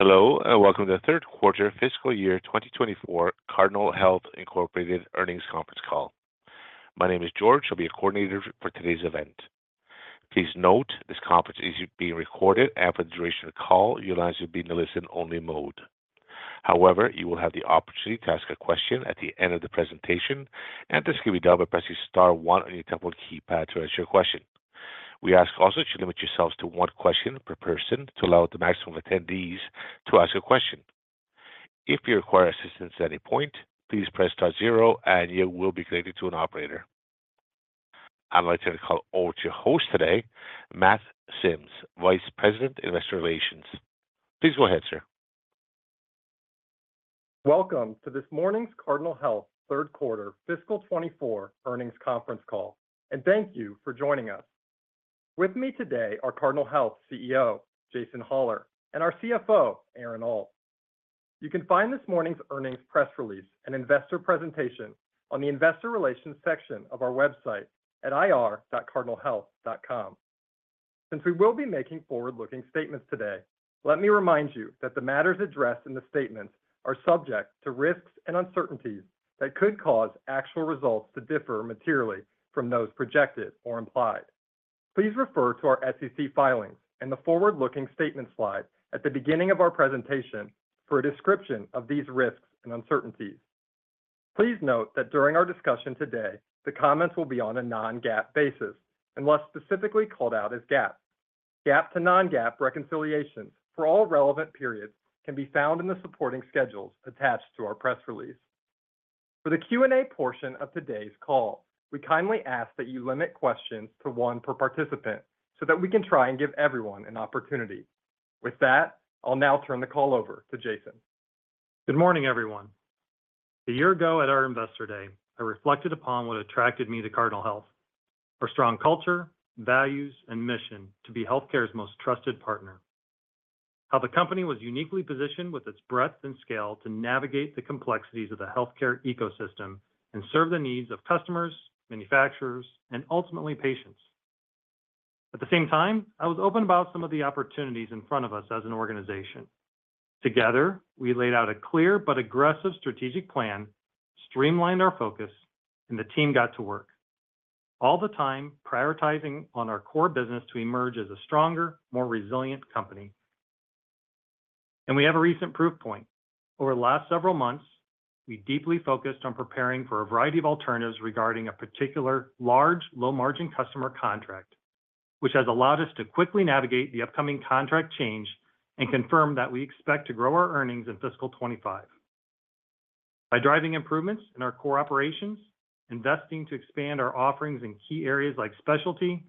Hello, and welcome to the third quarter fiscal year 2024 Cardinal Health Incorporated earnings conference call. My name is George. I'll be your coordinator for today's event. Please note, this conference is being recorded, and for the duration of the call, your lines will be in a listen-only mode. However, you will have the opportunity to ask a question at the end of the presentation, and this can be done by pressing star one on your telephone keypad to ask your question. We ask also to limit yourselves to one question per person to allow the maximum attendees to ask a question. If you require assistance at any point, please press star zero, and you will be connected to an operator. I'd like to call over to your host today, Matt Sims, Vice President, Investor Relations. Please go ahead, sir. Welcome to this morning's Cardinal Health third quarter fiscal 2024 earnings conference call, and thank you for joining us. With me today are Cardinal Health CEO, Jason Hollar, and our CFO, Aaron Alt. You can find this morning's earnings, press release, and investor presentation on the investor relations section of our website at ir.cardinalhealth.com. Since we will be making forward-looking statements today, let me remind you that the matters addressed in the statements are subject to risks and uncertainties that could cause actual results to differ materially from those projected or implied. Please refer to our SEC filings and the forward-looking statement slide at the beginning of our presentation for a description of these risks and uncertainties. Please note that during our discussion today, the comments will be on a non-GAAP basis, unless specifically called out as GAAP. GAAP to non-GAAP reconciliations for all relevant periods can be found in the supporting schedules attached to our press release. For the Q&A portion of today's call, we kindly ask that you limit questions to one per participant so that we can try and give everyone an opportunity. With that, I'll now turn the call over to Jason. Good morning, everyone. A year ago at our Investor Day, I reflected upon what attracted me to Cardinal Health. Our strong culture, values, and mission to be healthcare's most trusted partner. How the company was uniquely positioned with its breadth and scale to navigate the complexities of the healthcare ecosystem and serve the needs of customers, manufacturers, and ultimately, patients. At the same time, I was open about some of the opportunities in front of us as an organization. Together, we laid out a clear but aggressive strategic plan, streamlined our focus, and the team got to work, all the time prioritizing on our core business to emerge as a stronger, more resilient company. We have a recent proof point. Over the last several months, we deeply focused on preparing for a variety of alternatives regarding a particular large, low-margin customer contract, which has allowed us to quickly navigate the upcoming contract change and confirm that we expect to grow our earnings in fiscal 2025. By driving improvements in our core operations, investing to expand our offerings in key areas like specialty,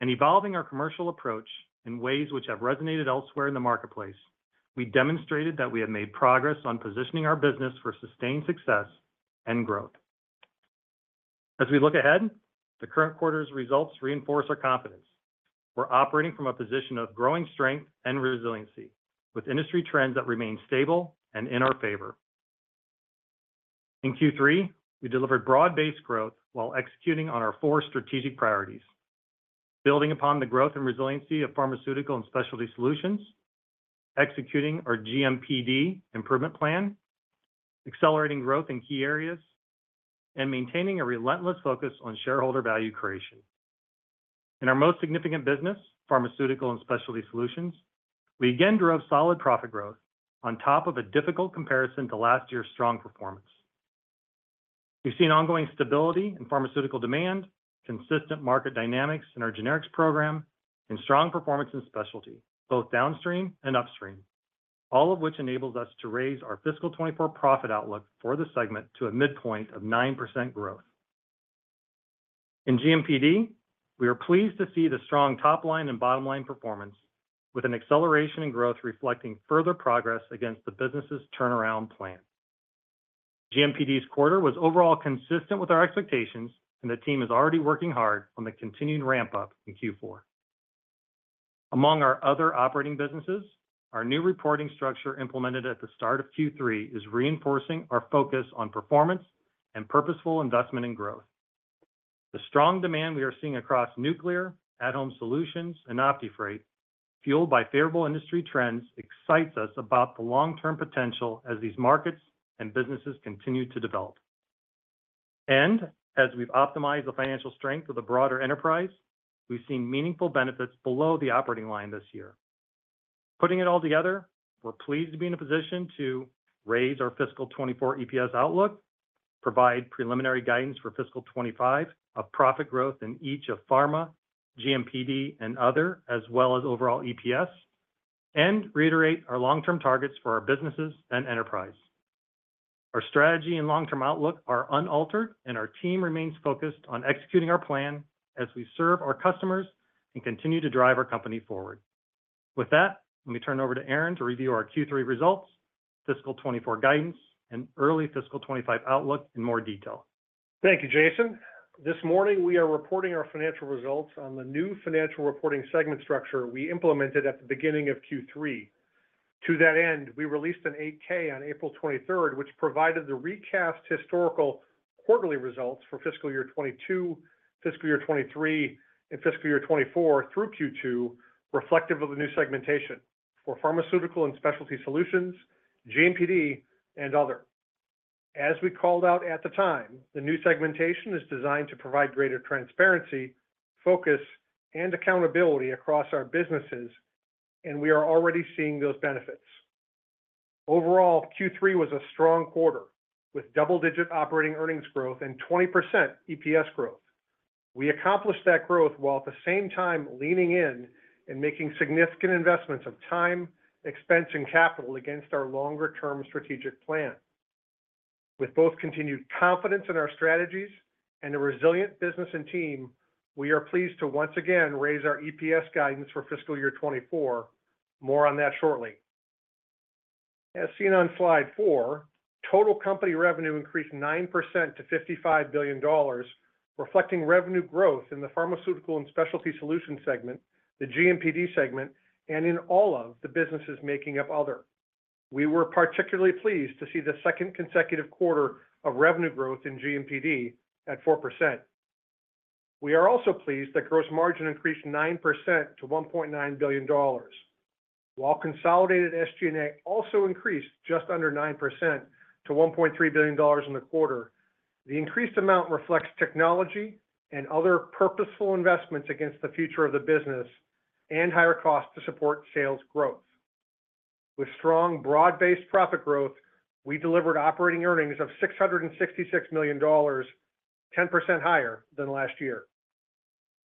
and evolving our commercial approach in ways which have resonated elsewhere in the marketplace, we demonstrated that we have made progress on positioning our business for sustained success and growth. As we look ahead, the current quarter's results reinforce our confidence. We're operating from a position of growing strength and resiliency, with industry trends that remain stable and in our favor. In Q3, we delivered broad-based growth while executing on our four strategic priorities: building upon the growth Pharmaceutical and Specialty Solutions, executing our GMPD Improvement Plan, accelerating growth in key areas, and maintaining a relentless focus on shareholder value creation. In our Pharmaceutical and Specialty Solutions, we again drove solid profit growth on top of a difficult comparison to last year's strong performance. We've seen ongoing stability in pharmaceutical demand, consistent market dynamics in our generics program, and strong performance in specialty, both downstream and upstream, all of which enables us to raise our fiscal 2024 profit outlook for the segment to a midpoint of 9% growth. In GMPD, we are pleased to see the strong top-line and bottom-line performance, with an acceleration in growth reflecting further progress against the business's turnaround plan. GMPD's quarter was overall consistent with our expectations, and the team is already working hard on the continued ramp-up in Q4. Among our other operating businesses, our new reporting structure implemented at the start of Q3 is reinforcing our focus on performance and purposeful investment in growth. The strong demand we are seeing across Nuclear, At-home Solutions, and OptiFreight, fueled by favorable industry trends, excites us about the long-term potential as these markets and businesses continue to develop. And as we've optimized the financial strength of the broader enterprise, we've seen meaningful benefits below the operating line this year. Putting it all together, we're pleased to be in a position to raise our fiscal 2024 EPS outlook, provide preliminary guidance for fiscal 2025 of profit growth in each of Pharma, GMPD, and Other, as well as overall EPS, and reiterate our long-term targets for our businesses and enterprise. Our strategy and long-term outlook are unaltered, and our team remains focused on executing our plan as we serve our customers and continue to drive our company forward. With that, let me turn it over to Aaron to review our Q3 results, fiscal 2024 guidance, and early fiscal 2025 outlook in more detail. Thank you, Jason. This morning, we are reporting our financial results on the new financial reporting segment structure we implemented at the beginning of Q3. To that end, we released an 8-K on April 23rd, which provided the recast historical-... quarterly results for fiscal year 2022, fiscal year 2023, and fiscal year 2024 through Q2, reflective of the Pharmaceutical and Specialty Solutions, GMPD, and Other. As we called out at the time, the new segmentation is designed to provide greater transparency, focus, and accountability across our businesses, and we are already seeing those benefits. Overall, Q3 was a strong quarter, with double-digit operating earnings growth and 20% EPS growth. We accomplished that growth while at the same time leaning in and making significant investments of time, expense, and capital against our longer-term strategic plan. With both continued confidence in our strategies and a resilient business and team, we are pleased to once again raise our EPS guidance for fiscal year 2024. More on that shortly. As seen on slide four, total company revenue increased 9% to $55 billion, reflecting revenue Pharmaceutical and Specialty Solutions segment, the GMPD segment, and in all of the businesses making up Other. We were particularly pleased to see the second consecutive quarter of revenue growth in GMPD at 4%. We are also pleased that gross margin increased 9% to $1.9 billion. While consolidated SG&A also increased just under 9% to $1.3 billion in the quarter, the increased amount reflects technology and other purposeful investments against the future of the business and higher costs to support sales growth. With strong, broad-based profit growth, we delivered operating earnings of $666 million, 10% higher than last year.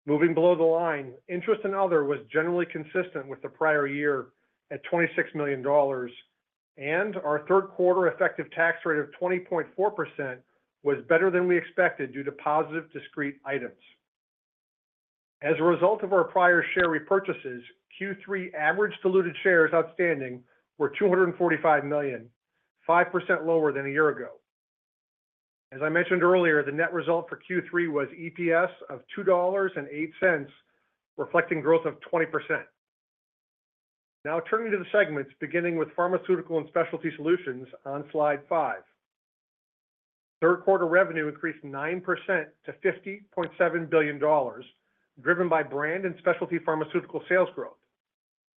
Moving below the line, interest and other was generally consistent with the prior year at $26 million, and our third quarter effective tax rate of 20.4% was better than we expected due to positive discrete items. As a result of our prior share repurchases, Q3 average diluted shares outstanding were 245 million, 5% lower than a year ago. As I mentioned earlier, the net result for Q3 was EPS of $2.08, reflecting growth of 20%. Now turning to the Pharmaceutical and Specialty Solutions on slide five. Third quarter revenue increased 9% to $50.7 billion, driven by brand and specialty pharmaceutical sales growth.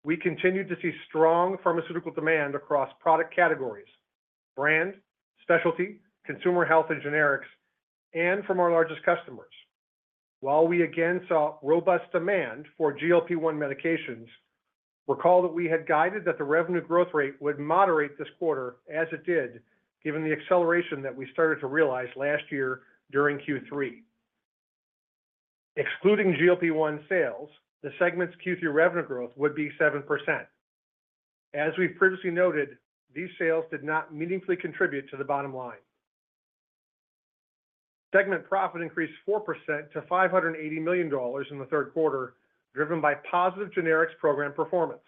We continued to see strong pharmaceutical demand across product categories: brand, specialty, consumer health and generics, and from our largest customers. While we again saw robust demand for GLP-1 medications, recall that we had guided that the revenue growth rate would moderate this quarter, as it did, given the acceleration that we started to realize last year during Q3. Excluding GLP-1 sales, the segment's Q3 revenue growth would be 7%. As we've previously noted, these sales did not meaningfully contribute to the bottom line. Segment profit increased 4% to $580 million in the third quarter, driven by positive generics program performance.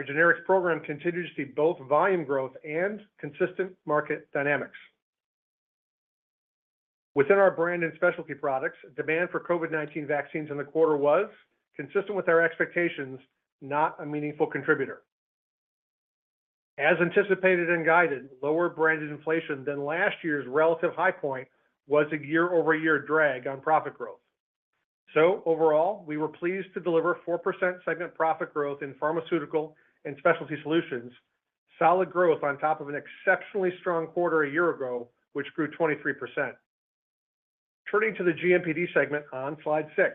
Our generics program continued to see both volume growth and consistent market dynamics. Within our brand and specialty products, demand for COVID-19 vaccines in the quarter was consistent with our expectations, not a meaningful contributor. As anticipated and guided, lower branded inflation than last year's relative high point was a year-over-year drag on profit growth. So overall, we were pleased to deliver 4% segment Pharmaceutical and Specialty Solutions, solid growth on top of an exceptionally strong quarter a year ago, which grew 23%. Turning to the GMPD segment on slide six.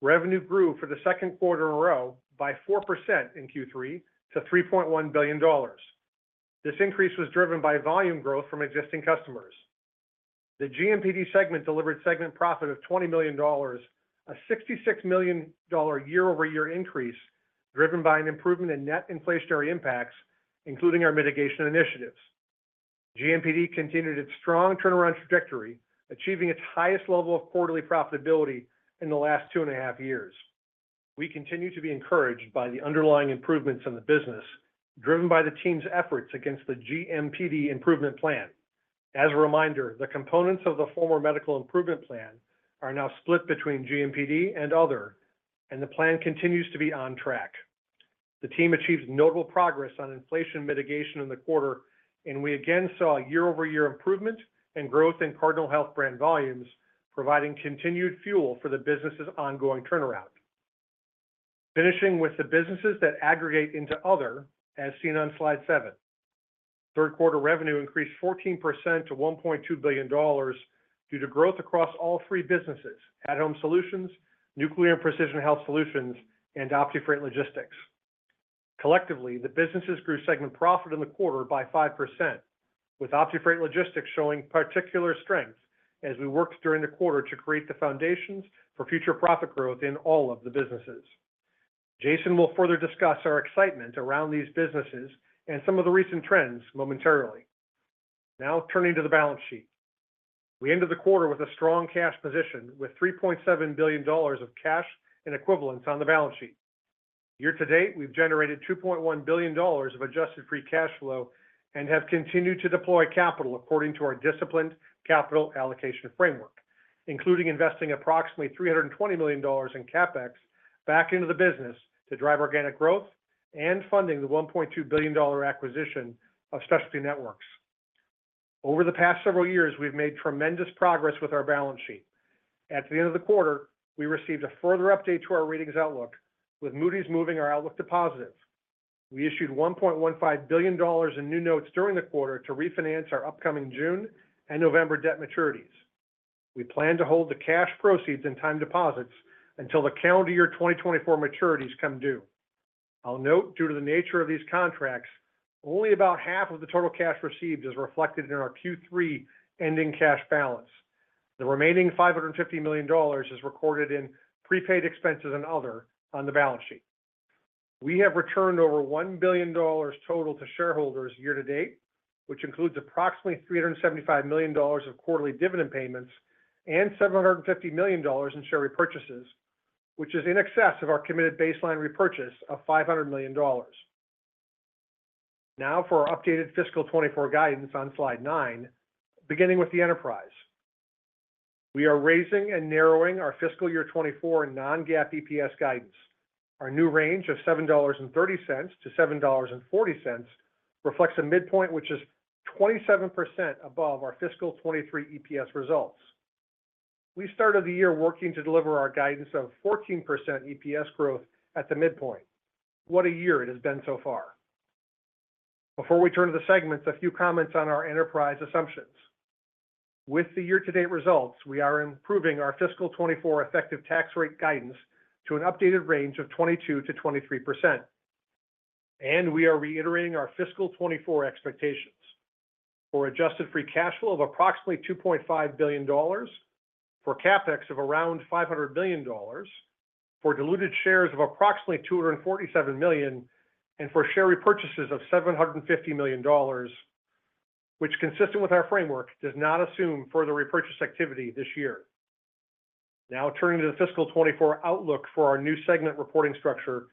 Revenue grew for the second quarter in a row by 4% in Q3 to $3.1 billion. This increase was driven by volume growth from existing customers. The GMPD segment delivered segment profit of $20 million, a $66 million year-over-year increase, driven by an improvement in net inflationary impacts, including our mitigation initiatives. GMPD continued its strong turnaround trajectory, achieving its highest level of quarterly profitability in the last two and a half years. We continue to be encouraged by the underlying improvements in the business, driven by the team's efforts against the GMPD Improvement Plan. As a reminder, the components of the former Medical Improvement Plan are now split between GMPD and Other, and the plan continues to be on track. The team achieved notable progress on inflation mitigation in the quarter, and we again saw a year-over-year improvement and growth in Cardinal Health Brand volumes, providing continued fuel for the business's ongoing turnaround. Finishing with the businesses that aggregate into Other, as seen on slide seven. Third quarter revenue increased 14% to $1.2 billion due to growth across all three businesses: At-Home Solutions, Nuclear and Precision Health Solutions, and OptiFreight Logistics. Collectively, the businesses grew segment profit in the quarter by 5%, with OptiFreight Logistics showing particular strength as we worked during the quarter to create the foundations for future profit growth in all of the businesses. Jason will further discuss our excitement around these businesses and some of the recent trends momentarily. Now, turning to the balance sheet. We ended the quarter with a strong cash position, with $3.7 billion of cash and equivalents on the balance sheet. Year to date, we've generated $2.1 billion of adjusted free cash flow and have continued to deploy capital according to our disciplined capital allocation framework, including investing approximately $320 million in CapEx back into the business to drive organic growth and funding the $1.2 billion-dollar acquisition of Specialty Networks. Over the past several years, we've made tremendous progress with our balance sheet. At the end of the quarter, we received a further update to our ratings outlook, with Moody's moving our outlook to positive. We issued $1.15 billion in new notes during the quarter to refinance our upcoming June and November debt maturities. We plan to hold the cash proceeds and time deposits until the calendar year 2024 maturities come due. I'll note, due to the nature of these contracts, only about half of the total cash received is reflected in our Q3 ending cash balance. The remaining $550 million is recorded in prepaid expenses and other on the balance sheet. We have returned over $1 billion total to shareholders year to date, which includes approximately $375 million of quarterly dividend payments and $750 million in share repurchases, which is in excess of our committed baseline repurchase of $500 million. Now for our updated fiscal 2024 guidance on slide 9, beginning with the enterprise. We are raising and narrowing our fiscal year 2024 non-GAAP EPS guidance. Our new range of $7.30-$7.40 reflects a midpoint, which is 27% above our fiscal 2023 EPS results. We started the year working to deliver our guidance of 14% EPS growth at the midpoint. What a year it has been so far! Before we turn to the segments, a few comments on our enterprise assumptions. With the year-to-date results, we are improving our fiscal 2024 effective tax rate guidance to an updated range of 22%-23%, and we are reiterating our fiscal 2024 expectations for adjusted free cash flow of approximately $2.5 billion, for CapEx of around $500 million, for diluted shares of approximately 247 million, and for share repurchases of $750 million, which, consistent with our framework, does not assume further repurchase activity this year. Now, turning to the fiscal 2024 outlook for our new segment reporting structure,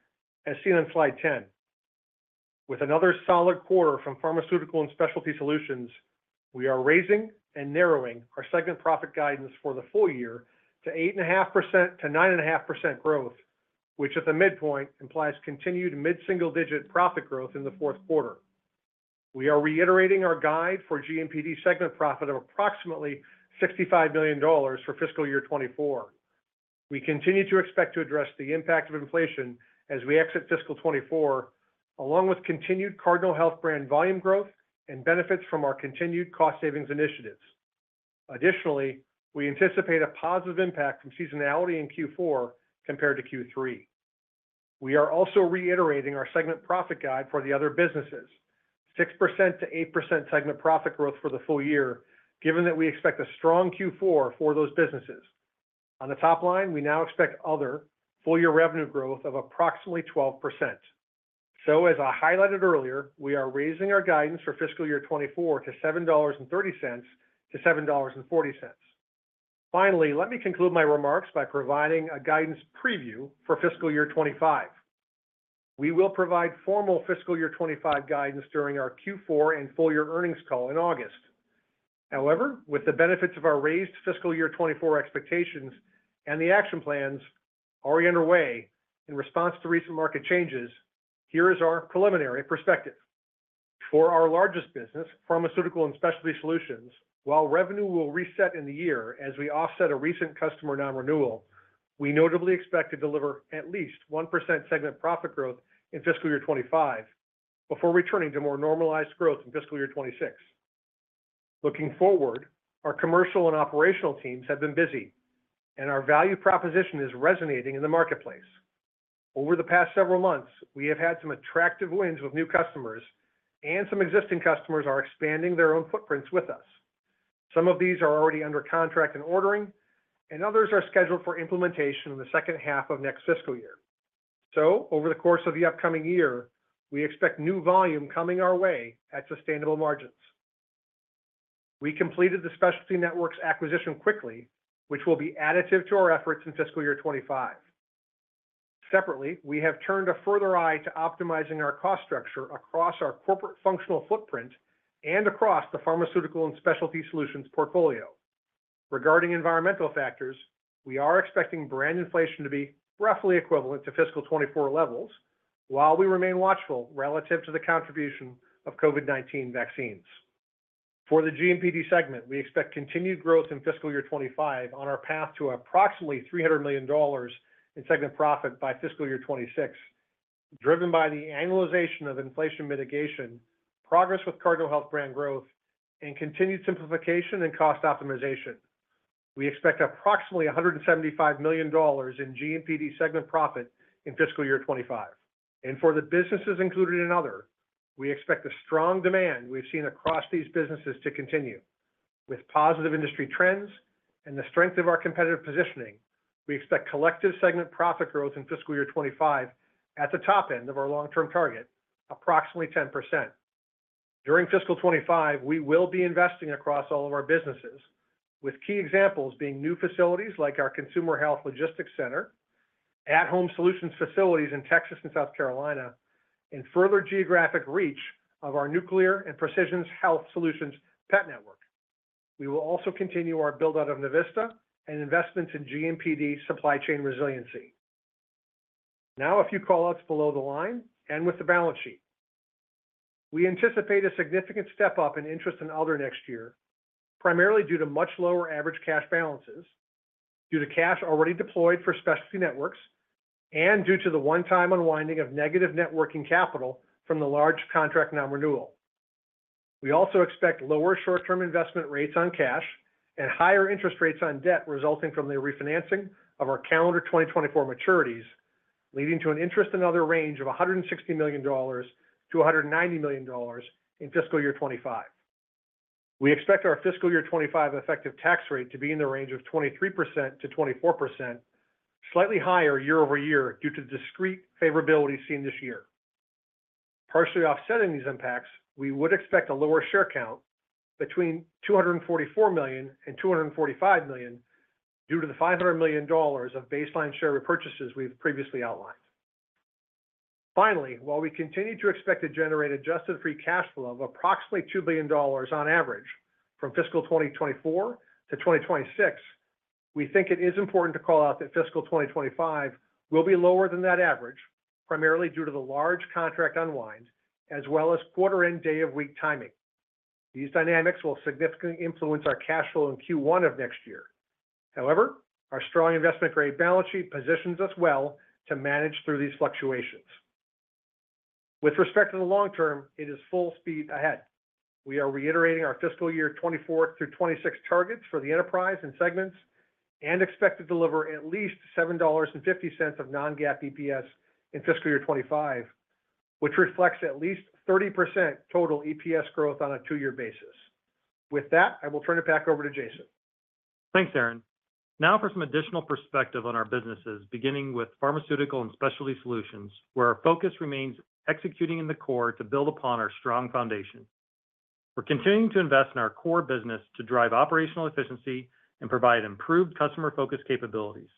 as seen on slide 10. With another Pharmaceutical and Specialty Solutions, we are raising and narrowing our segment profit guidance for the full year to 8.5%-9.5% growth, which at the midpoint, implies continued mid-single-digit profit growth in the fourth quarter. We are reiterating our guide for GMPD segment profit of approximately $65 million for fiscal year 2024. We continue to expect to address the impact of inflation as we exit fiscal 2024, along with continued Cardinal Health brand volume growth and benefits from our continued cost savings initiatives. Additionally, we anticipate a positive impact from seasonality in Q4 compared to Q3. We are also reiterating our segment profit guide for the other businesses, 6%-8% segment profit growth for the full year, given that we expect a strong Q4 for those businesses. On the top line, we now expect other full-year revenue growth of approximately 12%. So as I highlighted earlier, we are raising our guidance for fiscal year 2024 to $7.30-$7.40. Finally, let me conclude my remarks by providing a guidance preview for fiscal year 2025. We will provide formal fiscal year 2025 guidance during our Q4 and full year earnings call in August. However, with the benefits of our raised fiscal year 2024 expectations and the action plans already underway in response to recent market changes, here is our preliminary perspective. For Pharmaceutical and Specialty Solutions, while revenue will reset in the year as we offset a recent customer non-renewal, we notably expect to deliver at least 1% segment profit growth in fiscal year 2025 before returning to more normalized growth in fiscal year 2026. Looking forward, our commercial and operational teams have been busy, and our value proposition is resonating in the marketplace. Over the past several months, we have had some attractive wins with new customers, and some existing customers are expanding their own footprints with us. Some of these are already under contract and ordering, and others are scheduled for implementation in the second half of next fiscal year. So over the course of the upcoming year, we expect new volume coming our way at sustainable margins. We completed the Specialty Networks acquisition quickly, which will be additive to our efforts in fiscal year 2025. Separately, we have turned a further eye to optimizing our cost structure across our corporate functional footprint across the Pharmaceutical and Specialty Solutions portfolio. Regarding environmental factors, we are expecting brand inflation to be roughly equivalent to fiscal 2024 levels, while we remain watchful relative to the contribution of COVID-19 vaccines. For the GMPD segment, we expect continued growth in fiscal year 2025 on our path to approximately $300 million in segment profit by fiscal year 2026, driven by the annualization of inflation mitigation, progress with Cardinal Health brand growth, and continued simplification and cost optimization. We expect approximately $175 million in GMPD segment profit in fiscal year 2025. For the businesses included in Other, we expect the strong demand we've seen across these businesses to continue. With positive industry trends and the strength of our competitive positioning, we expect collective segment profit growth in fiscal year 2025 at the top end of our long-term target, approximately 10%. During fiscal 2025, we will be investing across all of our businesses, with key examples being new facilities like our Consumer Health Logistics Center, At-Home Solutions facilities in Texas and South Carolina, and further geographic reach of our Nuclear and Precision Health Solutions PET network. We will also continue our build-out of Navista and investments in GMPD supply chain resiliency. Now, a few call-outs below the line and with the balance sheet. We anticipate a significant step-up in interest and Other next year, primarily due to much lower average cash balances, due to cash already deployed for Specialty Networks, and due to the one-time unwinding of negative working capital from the large contract non-renewal. We also expect lower short-term investment rates on cash and higher interest rates on debt, resulting from the refinancing of our calendar 2024 maturities, leading to an interest and other range of $160 million-$190 million in fiscal year 2025. We expect our fiscal year 2025 effective tax rate to be in the range of 23%-24%, slightly higher year-over-year due to the discrete favorability seen this year. Partially offsetting these impacts, we would expect a lower share count between 244 million and 245 million, due to the $500 million of baseline share repurchases we've previously outlined. Finally, while we continue to expect to generate adjusted free cash flow of approximately $2 billion on average from fiscal 2024-2026, we think it is important to call out that fiscal 2025 will be lower than that average, primarily due to the large contract unwind, as well as quarter end day of week timing. These dynamics will significantly influence our cash flow in Q1 of next year. However, our strong investment-grade balance sheet positions us well to manage through these fluctuations. With respect to the long term, it is full speed ahead. We are reiterating our fiscal year 2024 through 2026 targets for the enterprise and segments, and expect to deliver at least $7.50 of non-GAAP EPS in fiscal year 2025, which reflects at least 30% total EPS growth on a two-year basis. With that, I will turn it back over to Jason. Thanks, Aaron. Now for some additional perspective on our Pharmaceutical and Specialty Solutions, where our focus remains executing in the core to build upon our strong foundation. We're continuing to invest in our core business to drive operational efficiency and provide improved customer focus capabilities.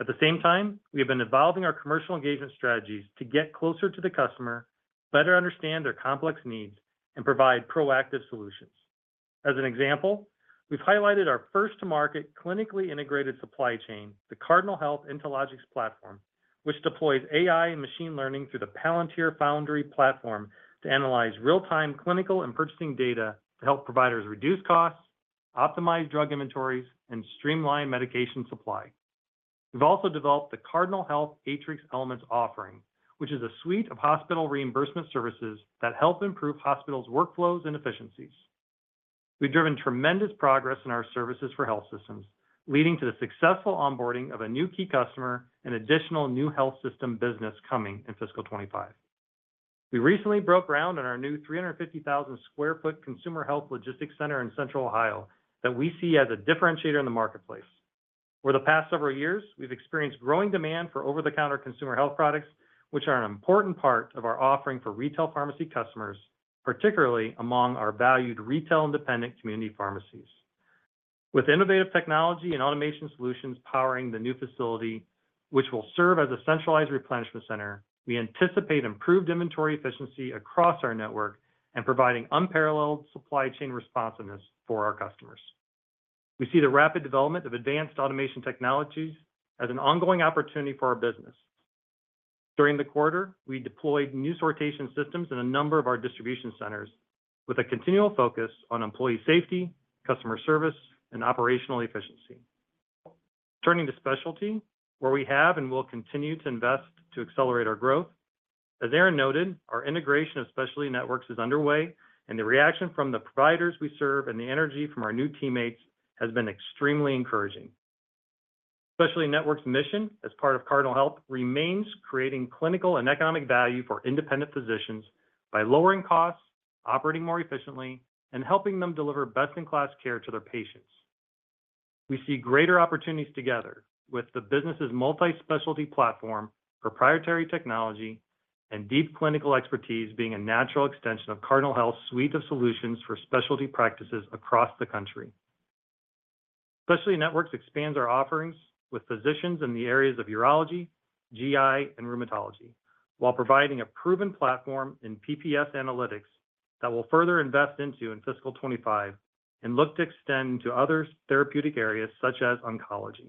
At the same time, we have been evolving our commercial engagement strategies to get closer to the customer, better understand their complex needs, and provide proactive solutions. As an example, we've highlighted our first-to-market, clinically integrated supply chain, the Cardinal Health InteLogix Platform, which deploys AI and machine learning through the Palantir Foundry platform to analyze real-time clinical and purchasing data to help providers reduce costs, optimize drug inventories, and streamline medication supply. We've also developed the Cardinal Health Advance Elements offering, which is a suite of hospital reimbursement services that help improve hospitals' workflows and efficiencies. We've driven tremendous progress in our services for health systems, leading to the successful onboarding of a new key customer and additional new health system business coming in fiscal 2025. We recently broke ground on our new 350,000 sq ft Consumer Health Logistics Center in Central Ohio, that we see as a differentiator in the marketplace. Over the past several years, we've experienced growing demand for over-the-counter consumer health products, which are an important part of our offering for retail pharmacy customers, particularly among our valued retail independent community pharmacies. With innovative technology and automation solutions powering the new facility, which will serve as a centralized replenishment center, we anticipate improved inventory efficiency across our network and providing unparalleled supply chain responsiveness for our customers. We see the rapid development of advanced automation technologies as an ongoing opportunity for our business. During the quarter, we deployed new sortation systems in a number of our distribution centers with a continual focus on employee safety, customer service, and operational efficiency. Turning to specialty, where we have and will continue to invest to accelerate our growth. As Aaron noted, our integration of Specialty Networks is underway, and the reaction from the providers we serve and the energy from our new teammates has been extremely encouraging. Specialty Networks' mission, as part of Cardinal Health, remains creating clinical and economic value for independent physicians by lowering costs, operating more efficiently, and helping them deliver best-in-class care to their patients. We see greater opportunities together with the business's multi-specialty platform, proprietary technology, and deep clinical expertise being a natural extension of Cardinal Health's suite of solutions for specialty practices across the country. Specialty Networks expands our offerings with physicians in the areas of urology, GI, and rheumatology, while providing a proven platform in PPS Analytics that will further invest into fiscal 2025 and look to extend to other therapeutic areas such as oncology.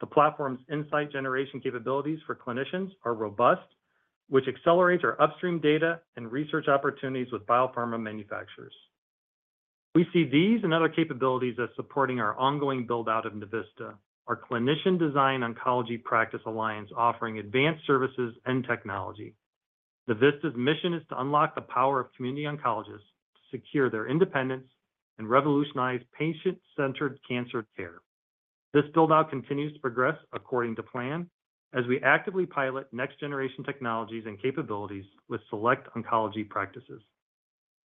The platform's insight generation capabilities for clinicians are robust, which accelerates our upstream data and research opportunities with biopharma manufacturers. We see these and other capabilities as supporting our ongoing build-out of Navista, our clinician-designed oncology practice alliance, offering advanced services and technology. Navista's mission is to unlock the power of community oncologists to secure their independence and revolutionize patient-centered cancer care. This build-out continues to progress according to plan as we actively pilot next-generation technologies and capabilities with select oncology practices.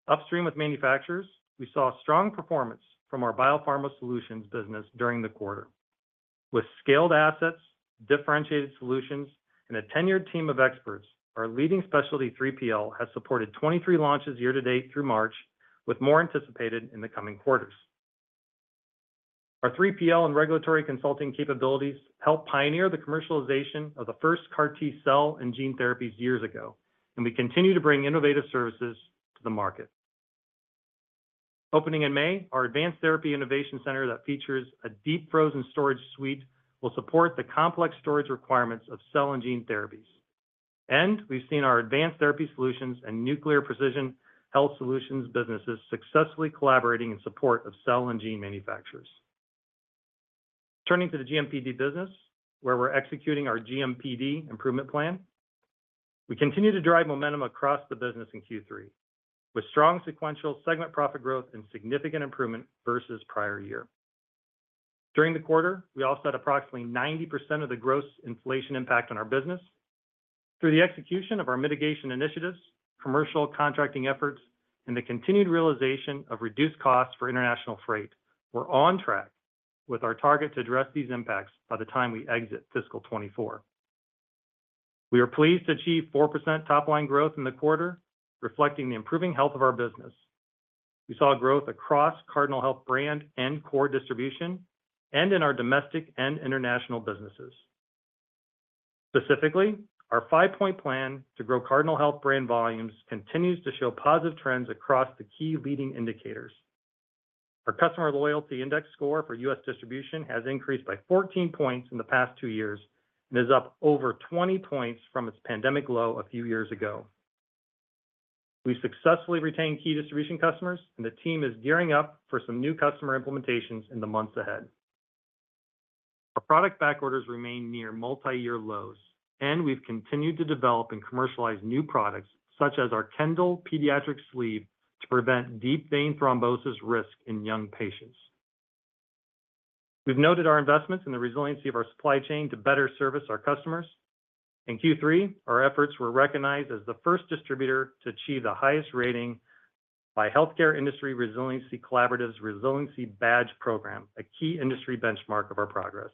Upstream with manufacturers, we saw strong performance from our BioPharma Solutions business during the quarter. With scaled assets, differentiated solutions, and a tenured team of experts, our leading Specialty 3PL has supported 23 launches year to date through March, with more anticipated in the coming quarters. Our 3PL and regulatory consulting capabilities helped pioneer the commercialization of the first CAR T-cell and gene therapies years ago, and we continue to bring innovative services to the market. Opening in May, our Advanced Therapy Innovation Center that features a deep frozen storage suite, will support the complex storage requirements of cell and gene therapies. We've seen our advanced therapy solutions and Nuclear Precision Health Solutions businesses successfully collaborating in support of cell and gene manufacturers. Turning to the GMPD business, where we're executing our GMPD Improvement Plan, we continue to drive momentum across the business in Q3, with strong sequential segment profit growth and significant improvement versus prior year. During the quarter, we all set approximately 90% of the gross inflation impact on our business through the execution of our mitigation initiatives, commercial contracting efforts, and the continued realization of reduced costs for international freight. We're on track with our target to address these impacts by the time we exit fiscal 2024. We are pleased to achieve 4% top-line growth in the quarter, reflecting the improving health of our business. We saw growth across Cardinal Health Brand and core distribution, and in our domestic and international businesses. Specifically, our five-point plan to grow Cardinal Health Brand volumes continues to show positive trends across the key leading indicators. Our customer loyalty index score for U.S. distribution has increased by 14 points in the past two years and is up over 20 points from its pandemic low a few years ago. We successfully retained key distribution customers, and the team is gearing up for some new customer implementations in the months ahead. Our product back orders remain near multi-year lows, and we've continued to develop and commercialize new products, such as our Kendall Pediatric Sleeve, to prevent deep vein thrombosis risk in young patients. We've noted our investments in the resiliency of our supply chain to better service our customers. In Q3, our efforts were recognized as the first distributor to achieve the highest rating by Healthcare Industry Resilience Collaborative's Resiliency Badge Program, a key industry benchmark of our progress.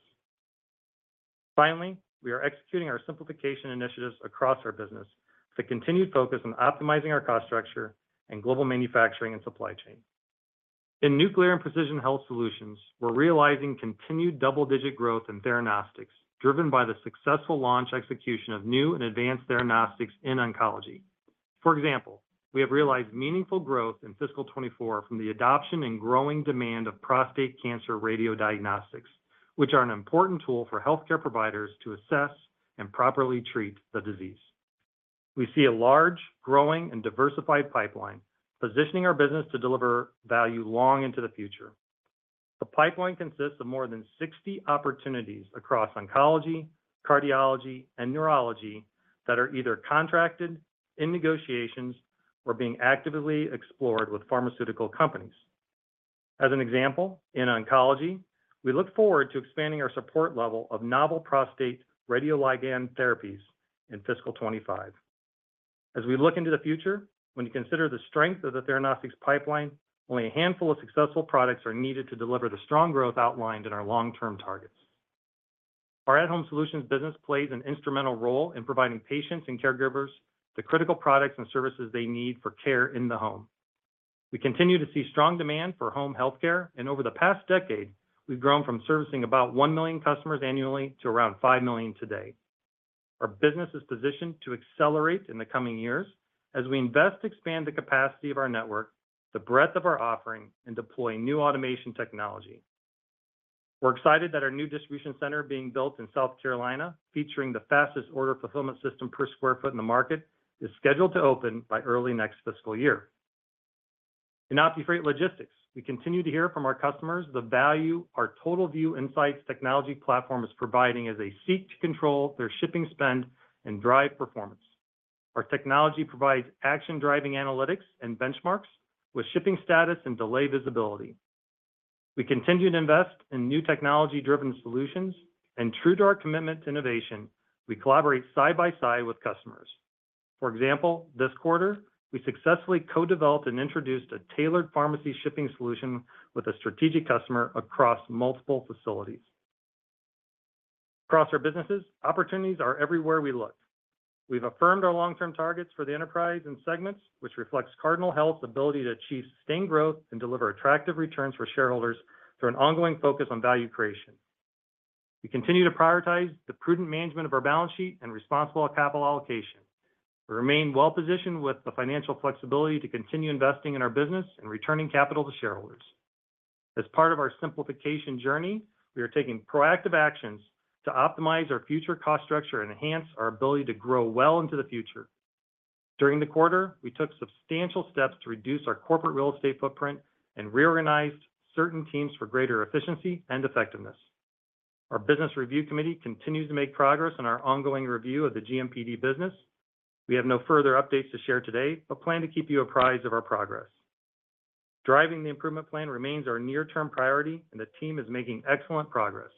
Finally, we are executing our simplification initiatives across our business with a continued focus on optimizing our cost structure and global manufacturing and supply chain. In Nuclear and Precision Health Solutions, we're realizing continued double-digit growth in theranostics, driven by the successful launch execution of new and advanced theranostics in oncology. For example, we have realized meaningful growth in fiscal 2024 from the adoption and growing demand of prostate cancer radiodiagnostics, which are an important tool for healthcare providers to assess and properly treat the disease. We see a large, growing, and diversified pipeline, positioning our business to deliver value long into the future. The pipeline consists of more than 60 opportunities across oncology, cardiology, and neurology that are either contracted, in negotiations, or being actively explored with pharmaceutical companies. As an example, in oncology, we look forward to expanding our support level of novel prostate radioligand therapies in fiscal 2025. As we look into the future, when you consider the strength of the theranostics pipeline, only a handful of successful products are needed to deliver the strong growth outlined in our long-term targets. Our At-Home Solutions business plays an instrumental role in providing patients and caregivers the critical products and services they need for care in the home. We continue to see strong demand for home healthcare, and over the past decade, we've grown from servicing about one million customers annually to around five million today. Our business is positioned to accelerate in the coming years as we invest to expand the capacity of our network, the breadth of our offering, and deploy new automation technology. We're excited that our new distribution center being built in South Carolina, featuring the fastest order fulfillment system per square foot in the market, is scheduled to open by early next fiscal year. In OptiFreight Logistics, we continue to hear from our customers the value our TotalVue Analytics technology platform is providing as they seek to control their shipping spend and drive performance. Our technology provides action-driving analytics and benchmarks with shipping status and delay visibility. We continue to invest in new technology-driven solutions, and true to our commitment to innovation, we collaborate side by side with customers. For example, this quarter, we successfully co-developed and introduced a tailored pharmacy shipping solution with a strategic customer across multiple facilities. Across our businesses, opportunities are everywhere we look. We've affirmed our long-term targets for the enterprise and segments, which reflects Cardinal Health's ability to achieve sustained growth and deliver attractive returns for shareholders through an ongoing focus on value creation. We continue to prioritize the prudent management of our balance sheet and responsible capital allocation. We remain well positioned with the financial flexibility to continue investing in our business and returning capital to shareholders. As part of our simplification journey, we are taking proactive actions to optimize our future cost structure and enhance our ability to grow well into the future. During the quarter, we took substantial steps to reduce our corporate real estate footprint and reorganized certain teams for greater efficiency and effectiveness. Our business review committee continues to make progress in our ongoing review of the GMPD business. We have no further updates to share today, but plan to keep you apprised of our progress. Driving the improvement plan remains our near-term priority, and the team is making excellent progress.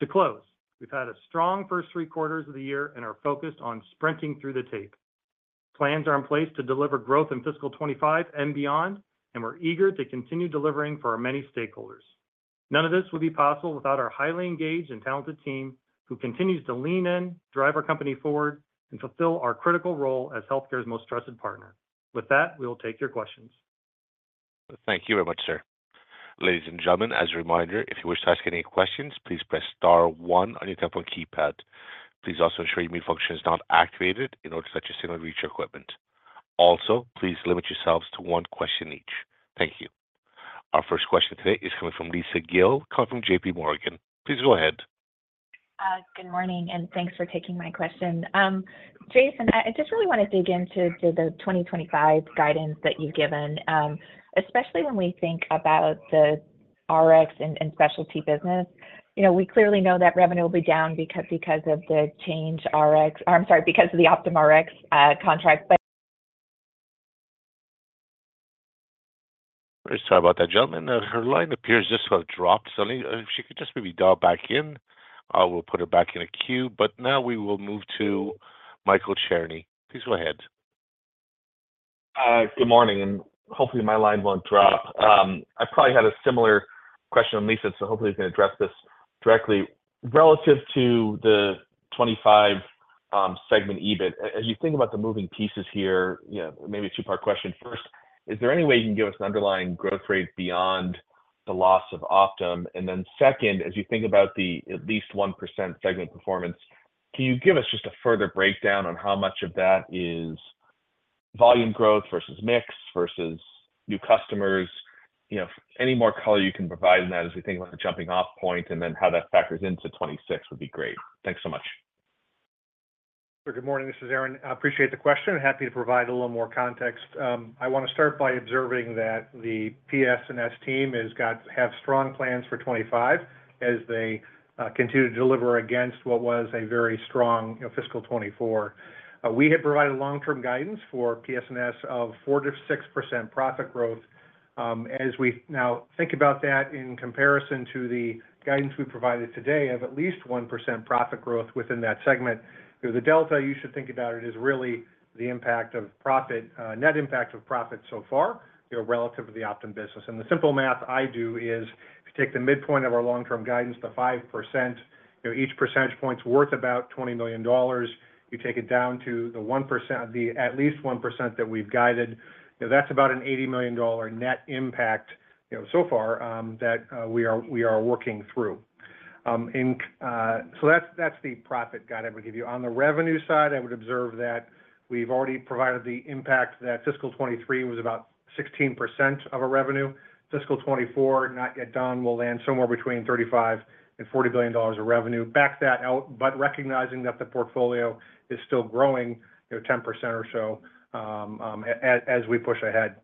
To close, we've had a strong first three quarters of the year and are focused on sprinting through the tape. Plans are in place to deliver growth in fiscal 2025 and beyond, and we're eager to continue delivering for our many stakeholders.... None of this would be possible without our highly engaged and talented team, who continues to lean in, drive our company forward, and fulfill our critical role as healthcare's most trusted partner. With that, we'll take your questions. Thank you very much, sir. Ladies and gentlemen, as a reminder, if you wish to ask any questions, please press star one on your telephone keypad. Please also ensure your mute function is not activated in order to let your signal reach your equipment. Also, please limit yourselves to one question each. Thank you. Our first question today is coming from Lisa Gill, coming from JPMorgan. Please go ahead. Good morning, and thanks for taking my question. Jason, I just really want to dig into the 2025 guidance that you've given, especially when we think about the Rx and specialty business. You know, we clearly know that revenue will be down because of the OptumRx contract, but- Sorry about that, gentlemen. Her line appears just to have dropped suddenly. If she could just maybe dial back in, I will put her back in a queue, but now we will move to Michael Cherney. Please go ahead. Good morning, and hopefully, my line won't drop. I probably had a similar question on Lisa, so hopefully, you can address this directly. Relative to the 2025 segment EBIT, as you think about the moving pieces here, you know, maybe a two-part question. First, is there any way you can give us an underlying growth rate beyond the loss of Optum? And then second, as you think about the at least 1% segment performance, can you give us just a further breakdown on how much of that is volume growth versus mix, versus new customers? You know, any more color you can provide on that as we think about the jumping-off point, and then how that factors into 2026 would be great. Thanks so much. Good morning, this is Aaron. I appreciate the question, and happy to provide a little more context. I want to start by observing that the PS&S team have strong plans for 2025, as they continue to deliver against what was a very strong, you know, fiscal 2024. We had provided long-term guidance for PS&S of 4%-6% profit growth. As we now think about that in comparison to the guidance we provided today of at least 1% profit growth within that segment, you know, the delta you should think about it is really the impact of profit, net impact of profit so far, you know, relative to the Optum business. And the simple math I do is, if you take the midpoint of our long-term guidance to 5%, you know, each percentage point is worth about $20 million. You take it down to the 1%, the at least 1% that we've guided, you know, that's about an $80 million net impact, you know, so far, that we are working through. So that's the profit guide I would give you. On the revenue side, I would observe that we've already provided the impact that fiscal 2023 was about 16% of a revenue. Fiscal 2024, not yet done, we'll land somewhere between $35 billion and $40 billion of revenue. Back that out, but recognizing that the portfolio is still growing, you know, 10% or so, as we push ahead.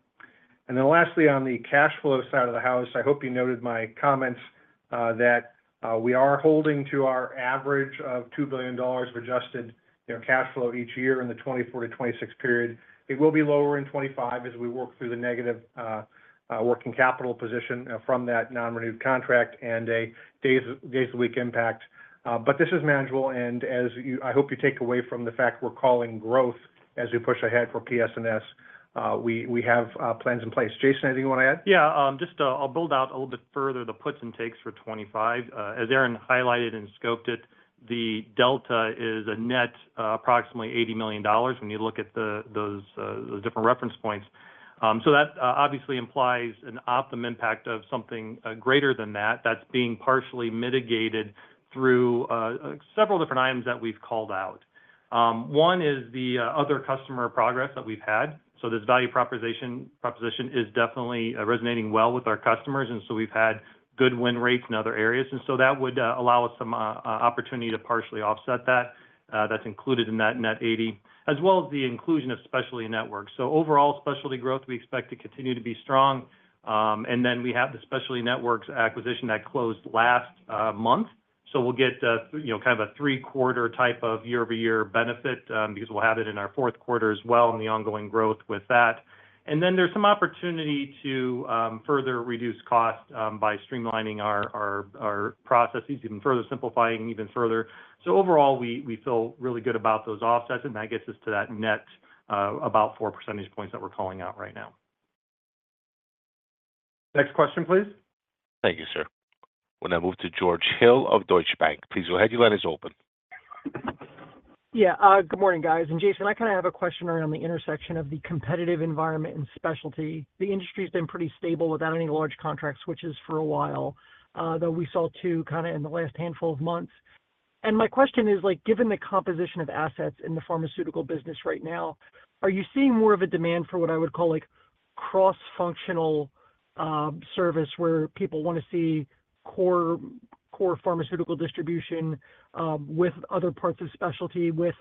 Lastly, on the cash flow side of the house, I hope you noted my comments that we are holding to our average of $2 billion of adjusted, you know, cash flow each year in the 2024-2026 period. It will be lower in 2025 as we work through the negative working capital position from that non-renewed contract and a days a week impact, but this is manageable, and as you, I hope you take away from the fact we're calling growth as we push ahead for PS&S. We have plans in place. Jason, anything you want to add? Yeah, just I'll build out a little bit further the puts and takes for 2025. As Aaron highlighted and scoped it, the delta is a net approximately $80 million when you look at those different reference points. So that obviously implies an Optum impact of something greater than that. That's being partially mitigated through several different items that we've called out. One is the other customer progress that we've had. So this value proposition is definitely resonating well with our customers, and so we've had good win rates in other areas. And so that would allow us some opportunity to partially offset that. That's included in that net 80, as well as the inclusion of Specialty Networks. So overall, specialty growth we expect to continue to be strong, and then we have the Specialty Networks acquisition that closed last month. So we'll get, you know, kind of a three-quarter type of year-over-year benefit, because we'll have it in our fourth quarter as well, and the ongoing growth with that. And then there's some opportunity to further reduce cost, by streamlining our processes, even further simplifying even further. So overall, we feel really good about those offsets, and that gets us to that net, about four percentage points that we're calling out right now. Next question, please. Thank you, sir. We're going to move to George Hill of Deutsche Bank. Please go ahead, your line is open. Yeah, good morning, guys. And Jason, I kind of have a question around the intersection of the competitive environment and specialty. The industry has been pretty stable without any large contract switches for a while, though we saw two kind of in the last handful of months. And my question is, like, given the composition of assets in the pharmaceutical business right now, are you seeing more of a demand for what I would call, like, cross-functional, service, where people want to see core, core pharmaceutical distribution, with other parts of specialty with,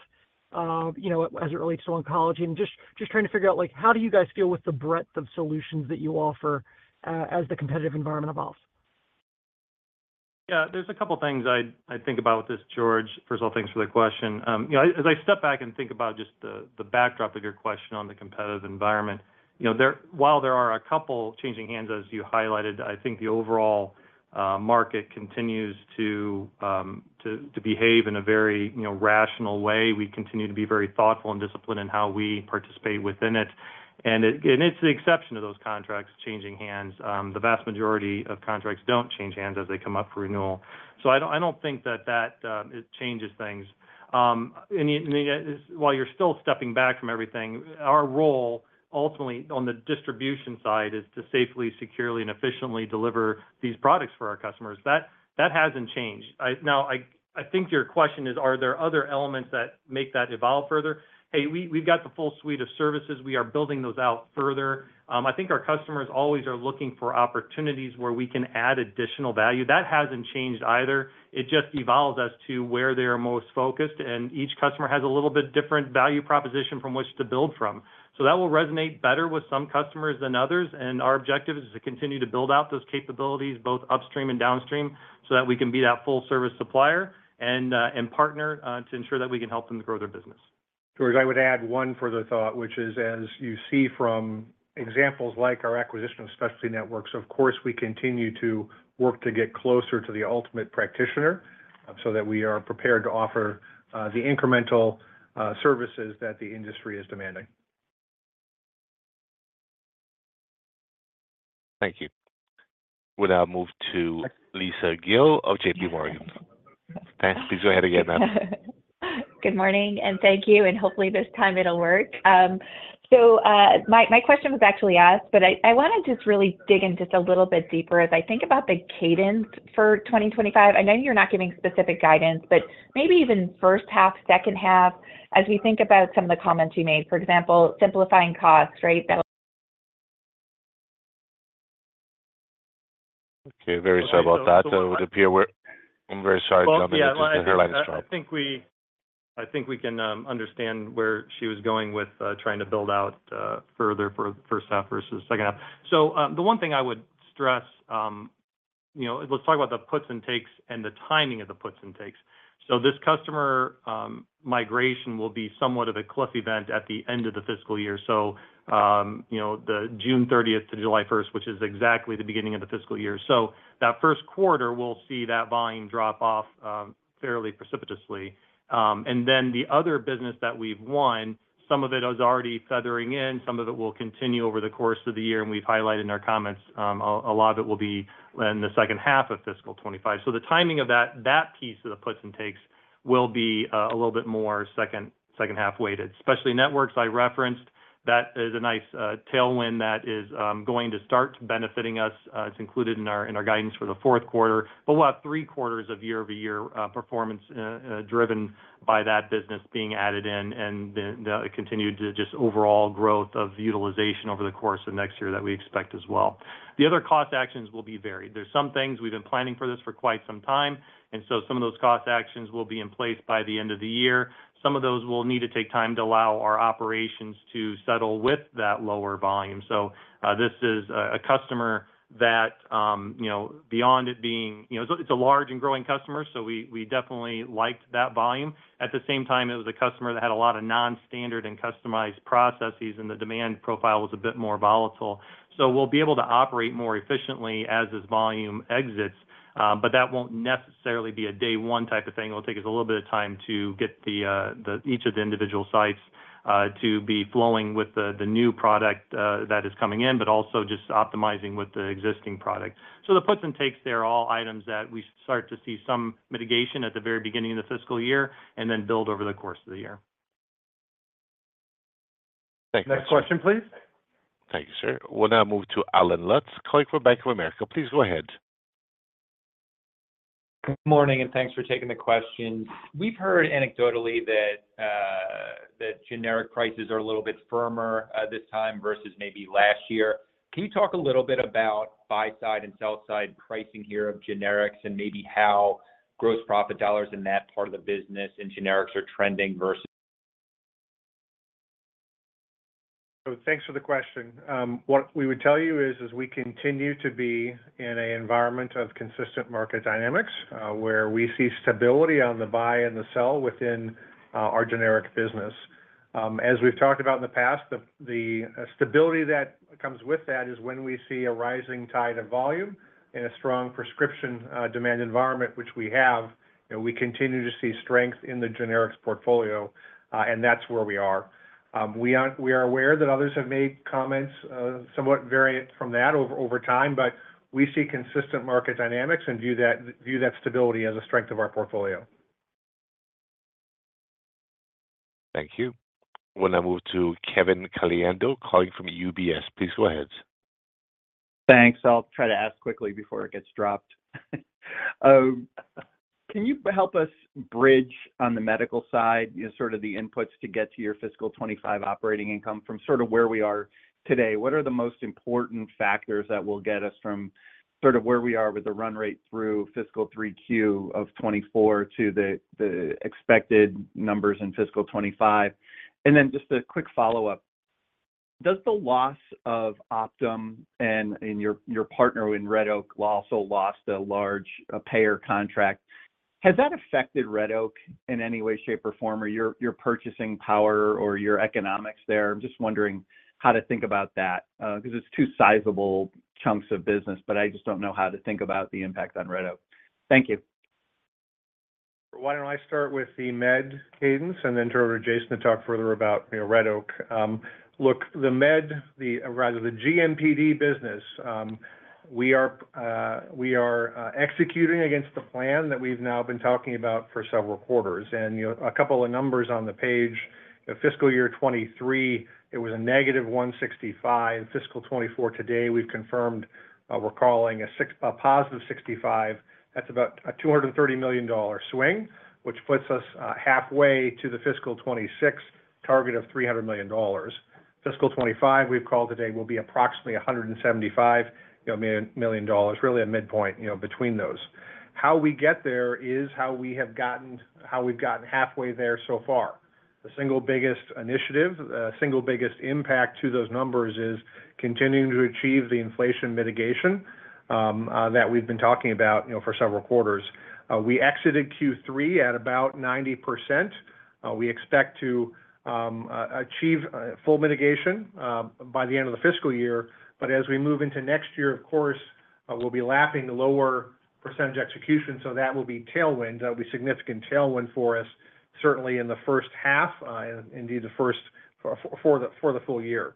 you know, as it relates to oncology? And just, just trying to figure out, like, how do you guys feel with the breadth of solutions that you offer, as the competitive environment evolves? Yeah, there's a couple of things I think about with this, George. First of all, thanks for the question. You know, as I step back and think about just the backdrop of your question on the competitive environment, you know, there, while there are a couple changing hands, as you highlighted, I think the overall market continues to behave in a very, you know, rational way. We continue to be very thoughtful and disciplined in how we participate within it. And it's the exception of those contracts changing hands. The vast majority of contracts don't change hands as they come up for renewal. So I don't think that it changes things. And yet, while you're still stepping back from everything, our role ultimately on the distribution side is to safely, securely, and efficiently deliver these products for our customers. That hasn't changed. Now, I think your question is, are there other elements that make that evolve further? Hey, we've got the full suite of services. We are building those out further. I think our customers always are looking for opportunities where we can add additional value. That hasn't changed either. It just evolves as to where they are most focused, and each customer has a little bit different value proposition from which to build from. So that will resonate better with some customers than others, and our objective is to continue to build out those capabilities, both upstream and downstream, so that we can be that full service supplier and partner to ensure that we can help them to grow their business. George, I would add one further thought, which is, as you see from examples like our acquisition of Specialty Networks, of course, we continue to work to get closer to the ultimate practitioner, so that we are prepared to offer the incremental services that the industry is demanding. Thank you. We now move to Lisa Gill of JPMorgan. Thanks. Please go ahead again, ma'am. Good morning, and thank you, and hopefully this time it'll work. So, my question was actually asked, but I wanna just really dig in just a little bit deeper. As I think about the cadence for 2025, I know you're not giving specific guidance, but maybe even first half, second half, as we think about some of the comments you made, for example, simplifying costs, right? Okay, very sorry about that. I'm very sorry. Well, yeah, I think, I think we, I think we can understand where she was going with trying to build out further for first half versus second half. So, the one thing I would stress, you know, let's talk about the puts and takes and the timing of the puts and takes. So this customer migration will be somewhat of a cliff event at the end of the fiscal year. So, you know, the June 30th-July 1st, which is exactly the beginning of the fiscal year. So that first quarter, we'll see that volume drop off fairly precipitously. And then the other business that we've won, some of it is already feathering in, some of it will continue over the course of the year, and we've highlighted in our comments, a lot of it will be in the second half of fiscal 2025. So the timing of that, that piece of the puts and takes will be a little bit more second half weighted. Especially networks I referenced, that is a nice tailwind that is going to start benefiting us. It's included in our guidance for the fourth quarter, but we'll have three quarters of year-over-year performance driven by that business being added in, and then the continued to just overall growth of utilization over the course of next year that we expect as well. The other cost actions will be varied. There's some things we've been planning for this for quite some time, and so some of those cost actions will be in place by the end of the year. Some of those will need to take time to allow our operations to settle with that lower volume. So, this is a customer that, you know, beyond it being, you know, it's a large and growing customer, so we definitely liked that volume. At the same time, it was a customer that had a lot of non-standard and customized processes, and the demand profile was a bit more volatile. So we'll be able to operate more efficiently as this volume exits, but that won't necessarily be a day one type of thing. It will take us a little bit of time to get each of the individual sites to be flowing with the new product that is coming in, but also just optimizing with the existing product. So the puts and takes, they're all items that we start to see some mitigation at the very beginning of the fiscal year and then build over the course of the year. Thank you. Next question, please. Thank you, sir. We'll now move to Allen Lutz, calling from Bank of America. Please go ahead. Good morning, and thanks for taking the question. We've heard anecdotally that generic prices are a little bit firmer this time versus maybe last year. Can you talk a little bit about buy-side and sell-side pricing here of generics and maybe how gross profit dollars in that part of the business and generics are trending versus? So thanks for the question. What we would tell you is we continue to be in a environment of consistent market dynamics, where we see stability on the buy and the sell within our generic business. As we've talked about in the past, the stability that comes with that is when we see a rising tide of volume and a strong prescription demand environment, which we have, and we continue to see strength in the generics portfolio, and that's where we are. We are aware that others have made comments somewhat variant from that over time, but we see consistent market dynamics and view that stability as a strength of our portfolio. Thank you. We'll now move to Kevin Caliendo, calling from UBS. Please go ahead. Thanks. I'll try to ask quickly before it gets dropped. Can you help us bridge on the medical side, you know, sort of the inputs to get to your fiscal 2025 operating income from sort of where we are today? What are the most important factors that will get us from sort of where we are with the run rate through fiscal Q3 of 2024 to the, the expected numbers in fiscal 2025? And then just a quick follow-up: Does the loss of Optum and, and your, your partner in Red Oak also lost a large payer contract, has that affected Red Oak in any way, shape, or form, or your, your purchasing power or your economics there? I'm just wondering how to think about that, because it's two sizable chunks of business, but I just don't know how to think about the impact on Red Oak. Thank you. Why don't I start with the med cadence, and then turn it over to Jason to talk further about, you know, Red Oak? Look, rather the GMPD business, we are executing against the plan that we've now been talking about for several quarters. You know, a couple of numbers on the page. The fiscal year 2023, it was a negative $165 million. Fiscal 2024, today, we've confirmed, we're calling a positive $65 million. That's about a $230 million swing, which puts us, halfway to the fiscal 2026 target of $300 million. Fiscal 2025, we've called today, will be approximately $175 million, you know, million dollars, really a midpoint, you know, between those. How we get there is how we've gotten halfway there so far. The single biggest initiative, the single biggest impact to those numbers is continuing to achieve the inflation mitigation that we've been talking about, you know, for several quarters. We exited Q3 at about 90%. We expect to achieve full mitigation by the end of the fiscal year. But as we move into next year, of course, we'll be lapping the lower percentage execution, so that will be tailwind. That will be significant tailwind for us, certainly in the first half, and indeed, for the full year.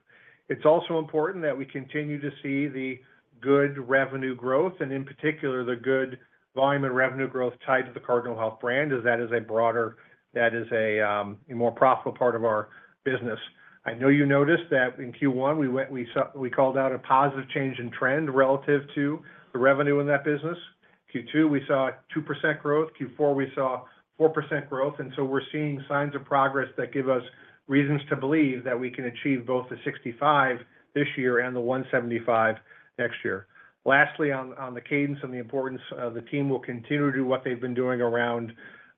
It's also important that we continue to see the good revenue growth, and in particular, the good volume and revenue growth tied to the Cardinal Health Brand, as that is a more profitable part of our business. I know you noticed that in Q1, we called out a positive change in trend relative to the revenue in that business. Q2, we saw a 2% growth. Q4, we saw 4% growth. And so we're seeing signs of progress that give us reasons to believe that we can achieve both the $65 this year and the $175 next year. Lastly, on the cadence and the importance of the team will continue to do what they've been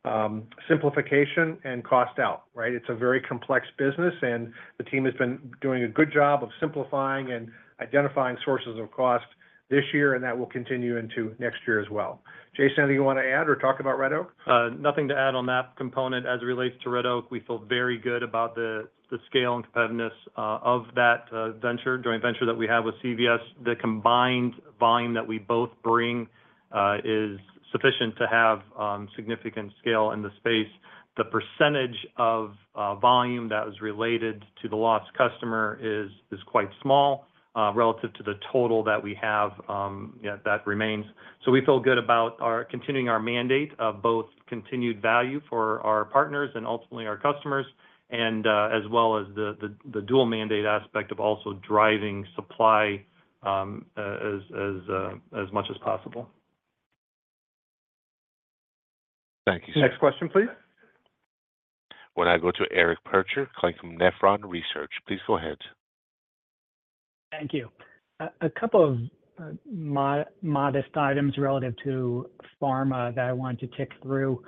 doing around simplification and cost out, right? It's a very complex business, and the team has been doing a good job of simplifying and identifying sources of cost this year, and that will continue into next year as well. Jason, anything you want to add or talk about Red Oak? Nothing to add on that component. As it relates to Red Oak, we feel very good about the scale and competitiveness of that joint venture that we have with CVS. The combined volume that we both bring is sufficient to have significant scale in the space. The percentage of volume that was related to the lost customer is quite small relative to the total that we have; that remains. So we feel good about our continuing our mandate of both continued value for our partners and ultimately our customers, and as well as the dual mandate aspect of also driving supply as much as possible. Thank you. Next question, please. Why don't I go to Eric Percher from Nephron Research. Please go ahead. Thank you. A couple of modest items relative to pharma that I wanted to tick through.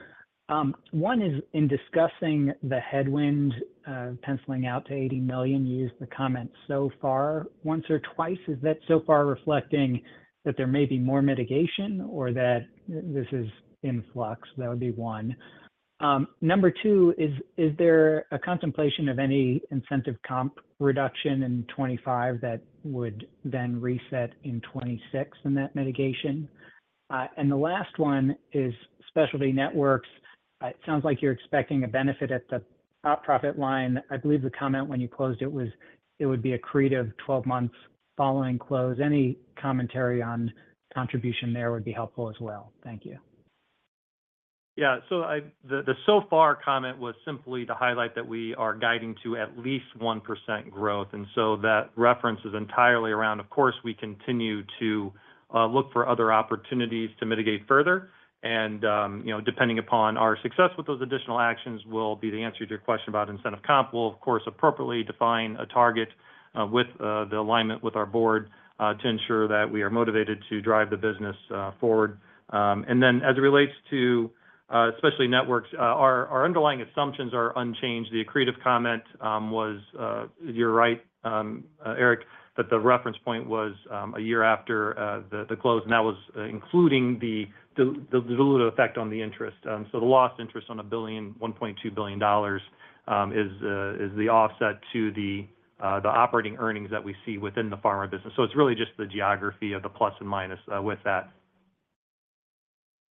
One is, in discussing the headwind, penciling out to $80 million, you used the comment so far, once or twice. Is that so far reflecting that there may be more mitigation or that this is in flux? That would be one. Number two, is there a contemplation of any incentive comp reduction in 2025, that would then reset in 2026 in that mitigation? And the last one is Specialty Networks. It sounds like you're expecting a benefit at the top profit line. I believe the comment when you closed it was, it would be accretive 12 months following close. Any commentary on contribution there would be helpful as well. Thank you. Yeah, so the so far comment was simply to highlight that we are guiding to at least 1% growth, and so that reference is entirely around. Of course, we continue to look for other opportunities to mitigate further, and you know, depending upon our success with those additional actions, will be the answer to your question about incentive comp. We'll, of course, appropriately define a target with the alignment with our Board to ensure that we are motivated to drive the business forward. And then, as it relates to Specialty Networks, our underlying assumptions are unchanged. The accretive comment was, you're right, Eric, that the reference point was a year after the close, and that was including the dilutive effect on the interest. So the lost interest on $1 billion-$1.2 billion is the offset to the operating earnings that we see within the pharma business. So it's really just the geography of the plus and minus with that.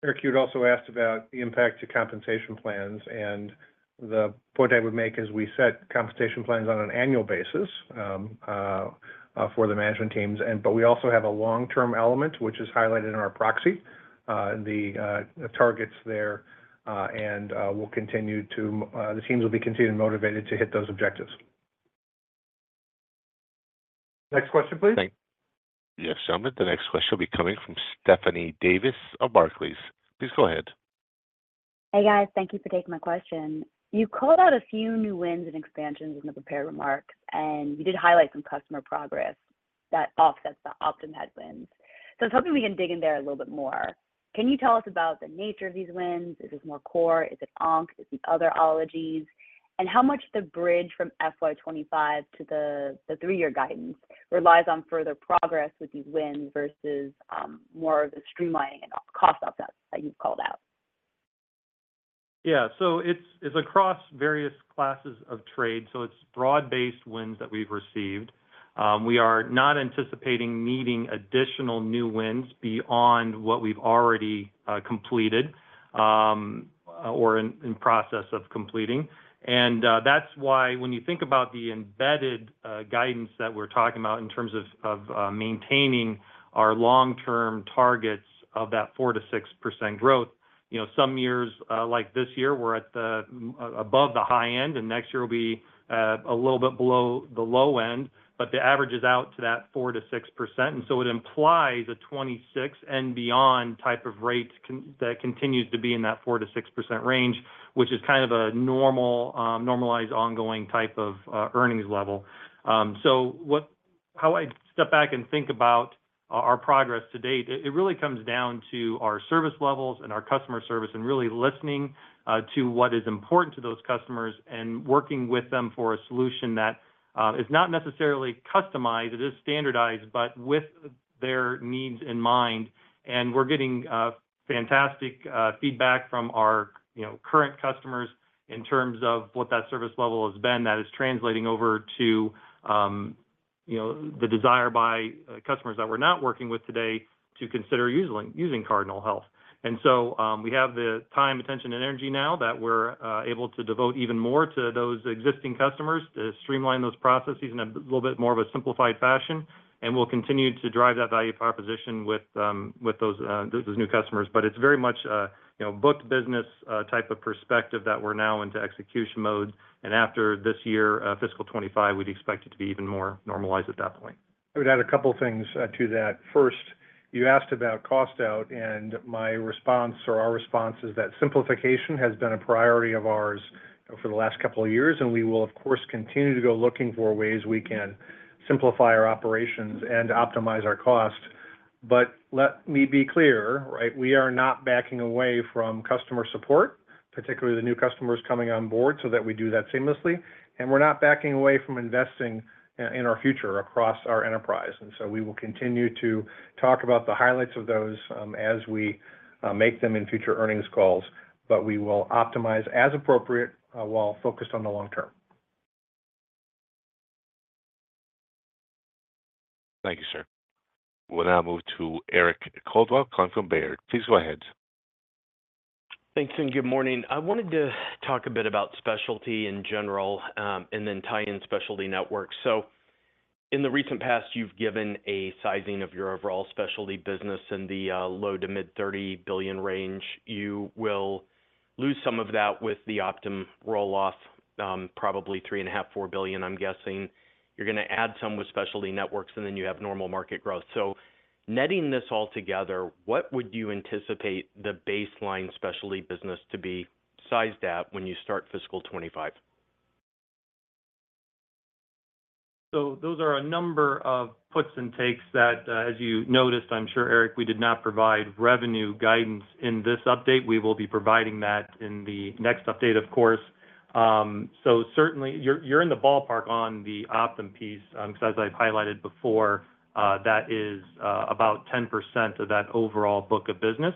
Eric, you'd also asked about the impact to compensation plans, and the point I would make is we set compensation plans on an annual basis, for the management teams. But we also have a long-term element, which is highlighted in our proxy, and the targets there, and we'll continue to... The teams will be continuing motivated to hit those objectives. Next question, please. Thank you. Yes, gentlemen, the next question will be coming from Stephanie Davis of Barclays. Please go ahead. Hey, guys. Thank you for taking my question. You called out a few new wins and expansions in the prepared remarks, and you did highlight some customer progress that offsets the Optum headwinds. So I was hoping we can dig in there a little bit more. Can you tell us about the nature of these wins? Is this more core? Is it oncs? Is it other allergies? And how much of the bridge from FY 2025 to the three-year guidance relies on further progress with these wins versus, more of the streamlining and cost offsets that you've called out? Yeah. So it's across various classes of trade, so it's broad-based wins that we've received. We are not anticipating needing additional new wins beyond what we've already completed or in process of completing. And that's why when you think about the embedded guidance that we're talking about in terms of maintaining our long-term targets of that 4%-6% growth, you know, some years, like this year, we're at the above the high end, and next year will be a little bit below the low end, but the average is out to that 4%-6%. And so it implies a 2026 and beyond type of rate con- that continues to be in that 4%-6% range, which is kind of a normal normalized, ongoing type of earnings level. So, how I step back and think about our progress to date, it really comes down to our service levels and our customer service, and really listening to what is important to those customers, and working with them for a solution that is not necessarily customized, it is standardized, but with their needs in mind. And we're getting fantastic feedback from our, you know, current customers in terms of what that service level has been. That is translating over to, you know, the desire by customers that we're not working with today to consider using, using Cardinal Health. And so, we have the time, attention, and energy now that we're able to devote even more to those existing customers, to streamline those processes in a little bit more of a simplified fashion. We'll continue to drive that value proposition with those new customers. But it's very much, you know, booked business type of perspective that we're now into execution mode. After this year, fiscal 2025, we'd expect it to be even more normalized at that point. I would add a couple things to that. First, you asked about cost out, and my response, or our response, is that simplification has been a priority of ours for the last couple of years, and we will, of course, continue to go looking for ways we can simplify our operations and optimize our cost. But let me be clear, right? We are not backing away from customer support, particularly the new customers coming on board, so that we do that seamlessly. And we're not backing away from investing in our future across our enterprise. And so we will continue to talk about the highlights of those as we make them in future earnings calls, but we will optimize as appropriate while focused on the long term. Thank you, sir. We'll now move to Eric Coldwell, calling from Baird. Please go ahead. Thanks, and good morning. I wanted to talk a bit about specialty in general, and then tie in Specialty Networks. So in the recent past, you've given a sizing of your overall specialty business in the low- to mid-$30 billion range. You will lose some of that with the Optum roll-off, probably $3.5 billion-$4 billion, I'm guessing. You're gonna add some with Specialty Networks, and then you have normal market growth. So netting this all together, what would you anticipate the baseline specialty business to be sized at when you start fiscal 2025? So those are a number of puts and takes that, as you noticed, I'm sure, Eric, we did not provide revenue guidance in this update. We will be providing that in the next update, of course. So certainly, you're, you're in the ballpark on the Optum piece, because as I've highlighted before, that is about 10% of that overall book of business.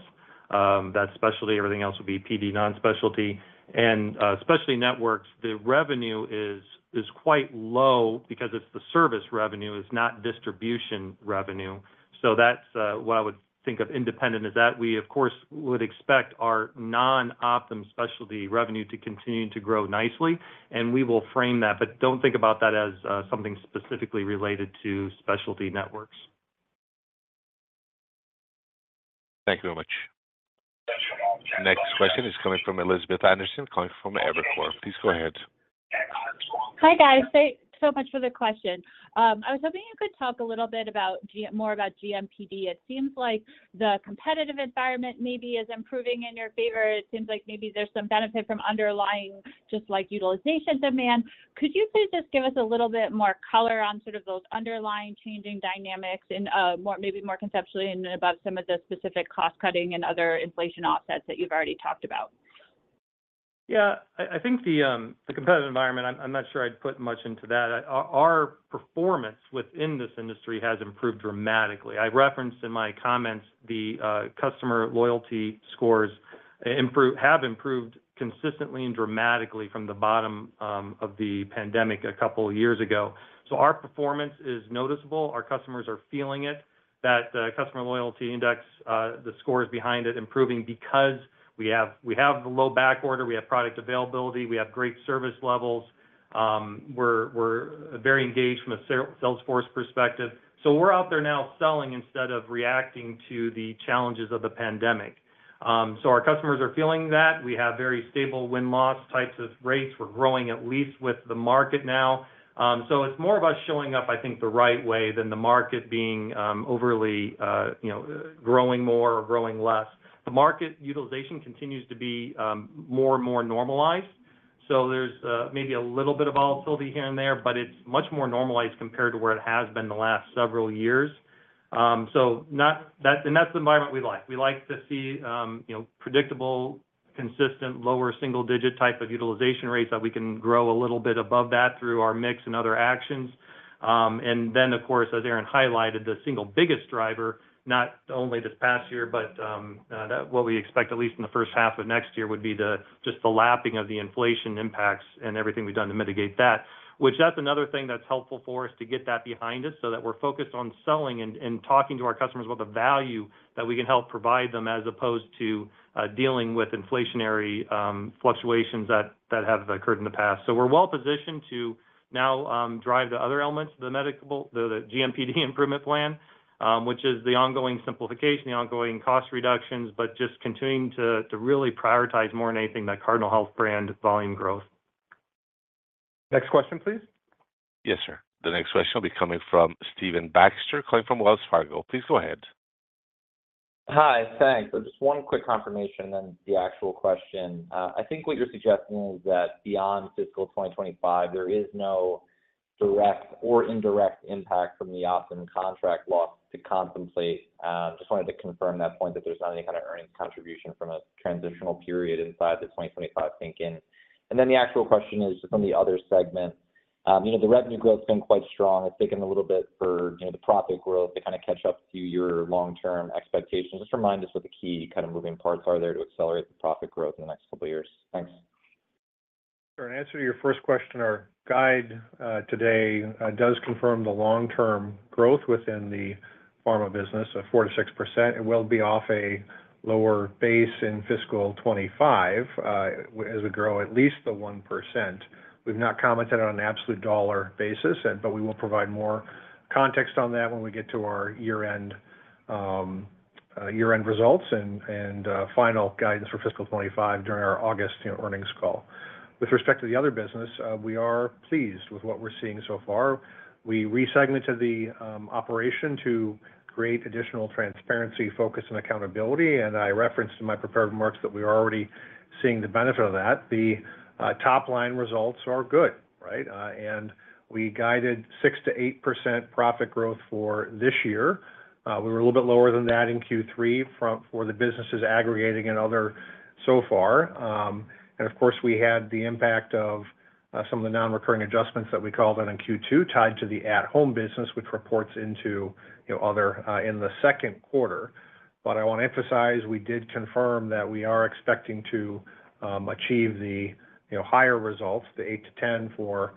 That specialty, everything else would be PD non-specialty. And, Specialty Networks, the revenue is, is quite low because it's the service revenue, it's not distribution revenue. So that's what I would think of independent is that we, of course, would expect our non-Optum specialty revenue to continue to grow nicely, and we will frame that. But don't think about that as something specifically related to Specialty Networks. Thank you very much. Next question is coming from Elizabeth Anderson, calling from Evercore. Please go ahead. Hi, guys. Thanks so much for the question. I was hoping you could talk a little bit about more about GMPD. It seems like the competitive environment maybe is improving in your favor. It seems like maybe there's some benefit from underlying, just like, utilization demand. Could you maybe just give us a little bit more color on sort of those underlying changing dynamics and more, maybe more conceptually and about some of the specific cost cutting and other inflation offsets that you've already talked about? Yeah, I think the competitive environment, I'm not sure I'd put much into that. Our performance within this industry has improved dramatically. I referenced in my comments, the customer loyalty scores have improved consistently and dramatically from the bottom of the pandemic a couple of years ago. So our performance is noticeable. Our customers are feeling it, that customer loyalty index, the scores behind it improving because we have the low backorder, we have product availability, we have great service levels. We're very engaged from a sales force perspective. So we're out there now selling instead of reacting to the challenges of the pandemic. So our customers are feeling that. We have very stable win-loss types of rates. We're growing at least with the market now. So it's more of us showing up, I think, the right way than the market being overly, you know, growing more or growing less. The market utilization continues to be more and more normalized, so there's maybe a little bit of volatility here and there, but it's much more normalized compared to where it has been the last several years. So that's, and that's the environment we like. We like to see, you know, predictable, consistent, lower single digit type of utilization rates that we can grow a little bit above that through our mix and other actions. And then, of course, as Aaron highlighted, the single biggest driver, not only this past year, but what we expect, at least in the first half of next year, would be just the lapping of the inflation impacts and everything we've done to mitigate that. That's another thing that's helpful for us to get that behind us, so that we're focused on selling and talking to our customers about the value that we can help provide them, as opposed to dealing with inflationary fluctuations that have occurred in the past. So we're well positioned to now drive the other elements of the medical GMPD Improvement Plan, which is the ongoing simplification, the ongoing cost reductions, but just continuing to really prioritize more than anything that Cardinal Health brand volume growth. Next question, please. Yes, sir. The next question will be coming from Stephen Baxter, calling from Wells Fargo. Please go ahead. Hi, thanks. Just one quick confirmation, then the actual question. I think what you're suggesting is that beyond fiscal 2025, there is no direct or indirect impact from the Optum contract loss to contemplate. Just wanted to confirm that point, that there's not any kind of earnings contribution from a transitional period inside the 2025 thinking. And then the actual question is from the Other segment. You know, the revenue growth's been quite strong. It's taken a little bit for, you know, the profit growth to kind of catch up to your long-term expectations. Just remind us what the key kind of moving parts are there to accelerate the profit growth in the next couple of years. Thanks. Sure. In answer to your first question, our guide today does confirm the long-term growth within the pharma business of 4%-6%. It will be off a lower base in fiscal 2025 as we grow at least the 1%. We've not commented on an absolute dollar basis, but we will provide more context on that when we get to our year-end results and final guidance for fiscal 2025 during our August, you know, earnings call. With respect to the Other business, we are pleased with what we're seeing so far. We resegmented the operation to create additional transparency, focus, and accountability, and I referenced in my prepared remarks that we are already seeing the benefit of that. The top-line results are good, right? And we guided 6%-8% profit growth for this year. We were a little bit lower than that in Q3 for the businesses aggregating in Other so far. And of course, we had the impact of some of the non-recurring adjustments that we called out in Q2, tied to the at-home business, which reports into, you know, Other, in the second quarter. But I want to emphasize, we did confirm that we are expecting to achieve the, you know, higher results, the 8%-10% for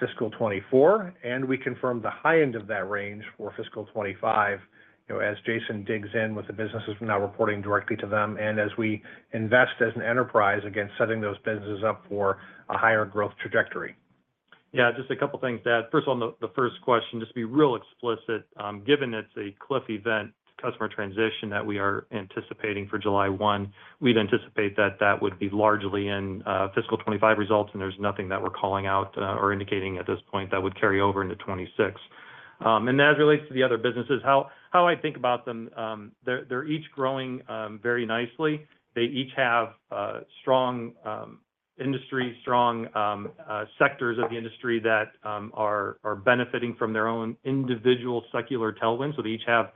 fiscal 2024, and we confirmed the high end of that range for fiscal 2025, you know, as Jason digs in with the businesses now reporting directly to them, and as we invest as an enterprise against setting those businesses up for a higher growth trajectory. Yeah, just a couple of things to add. First of all, on the first question, just to be real explicit, given it's a cliff event, customer transition that we are anticipating for July 1, we'd anticipate that that would be largely in fiscal 2025 results, and there's nothing that we're calling out or indicating at this point that would carry over into 2026. And as it relates to the other businesses, how I think about them, they're each growing very nicely. They each have strong industry, strong sectors of the industry that are benefiting from their own individual secular tailwind. So they each have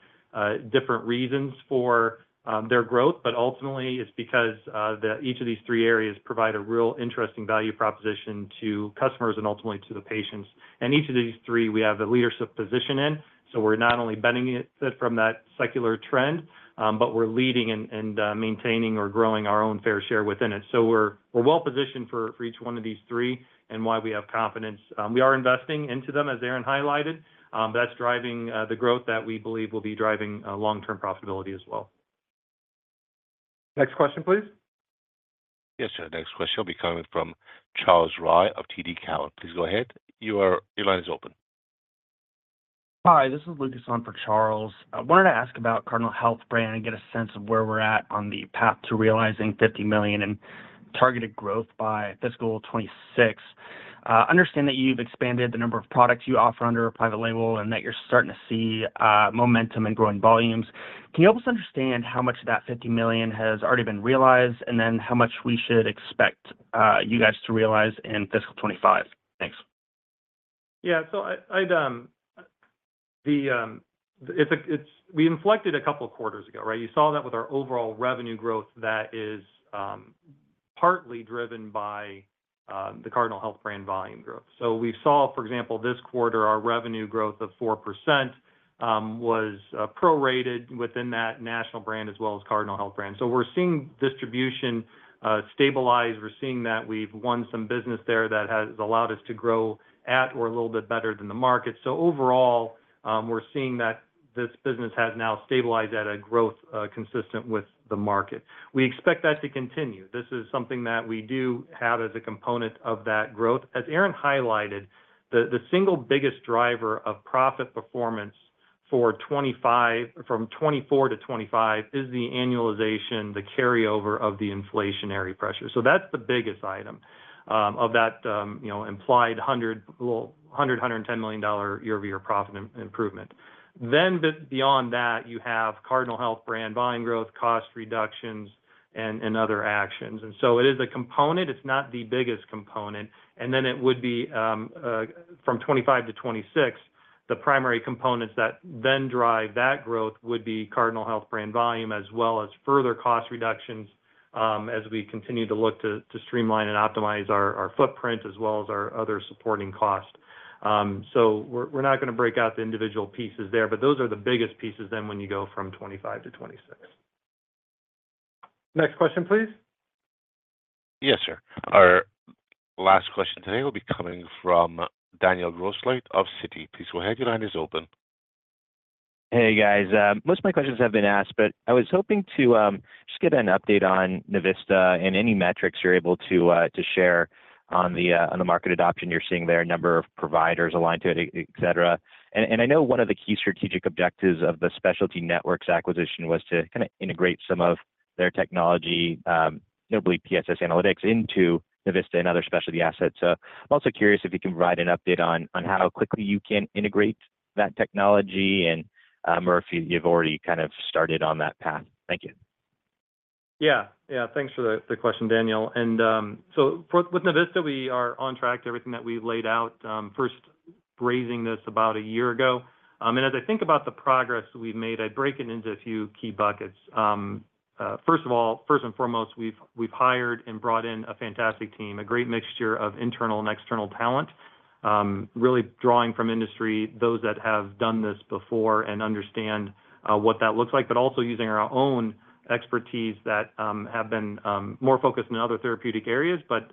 different reasons for their growth, but ultimately, it's because they each of these three areas provide a real interesting value proposition to customers and ultimately to the patients. And each of these three we have a leadership position in, so we're not only benefiting it from that secular trend, but we're leading and maintaining or growing our own fair share within it. So we're well positioned for each one of these three and why we have confidence. We are investing into them, as Aaron highlighted. That's driving the growth that we believe will be driving long-term profitability as well. Next question, please. Yes, sir. The next question will be coming from Charles Rhyee of TD Cowen. Please go ahead. Your line is open. Hi, this is Lucas on for Charles. I wanted to ask about Cardinal Health Brand and get a sense of where we're at on the path to realizing $50 million in targeted growth by fiscal 2026. I understand that you've expanded the number of products you offer under a private label and that you're starting to see momentum and growing volumes. Can you help us understand how much of that $50 million has already been realized, and then how much we should expect you guys to realize in fiscal 2025? Thanks. Yeah, so we inflected a couple of quarters ago, right? You saw that with our overall revenue growth that is partly driven by the Cardinal Health Brand volume growth. So we saw, for example, this quarter, our revenue growth of 4% was prorated within that national brand as well as Cardinal Health Brand. So we're seeing distribution stabilize. We're seeing that we've won some business there that has allowed us to grow at or a little bit better than the market. So overall, we're seeing that this business has now stabilized at a growth consistent with the market. We expect that to continue. This is something that we do have as a component of that growth. As Aaron highlighted, the single biggest driver of profit performance for 2025, from 2024-2025 is the annualization, the carryover of the inflationary pressure. So that's the biggest item, well, you know, implied $110 million year-over-year profit improvement. Then beyond that, you have Cardinal Health Brand volume growth, cost reductions, and other actions. And so it is a component, it's not the biggest component. And then it would be, from 2025 to 2026, the primary components that then drive that growth would be Cardinal Health Brand volume, as well as further cost reductions, as we continue to look to streamline and optimize our footprint as well as our other supporting costs. So, we're not gonna break out the individual pieces there, but those are the biggest pieces then when you go from 2025-2026. Next question, please. Yes, sir. Our last question today will be coming from Daniel Grosslight of Citi. Please go ahead, your line is open. Hey, guys. Most of my questions have been asked, but I was hoping to just get an update on Navista and any metrics you're able to share on the market adoption you're seeing there, number of providers aligned to it, et cetera. And I know one of the key strategic objectives of the Specialty Networks acquisition was to kinda integrate some of their technology, notably PPS Analytics, into Navista and other specialty assets. So I'm also curious if you can provide an update on how quickly you can integrate that technology, and or if you've already kind of started on that path. Thank you. Yeah. Yeah, thanks for the question, Daniel. And with Navista, we are on track to everything that we've laid out, first raising this about a year ago. And as I think about the progress we've made, I'd break it into a few key buckets. First and foremost, we've hired and brought in a fantastic team, a great mixture of internal and external talent, really drawing from industry, those that have done this before and understand what that looks like, but also using our own expertise that have been more focused in other therapeutic areas, but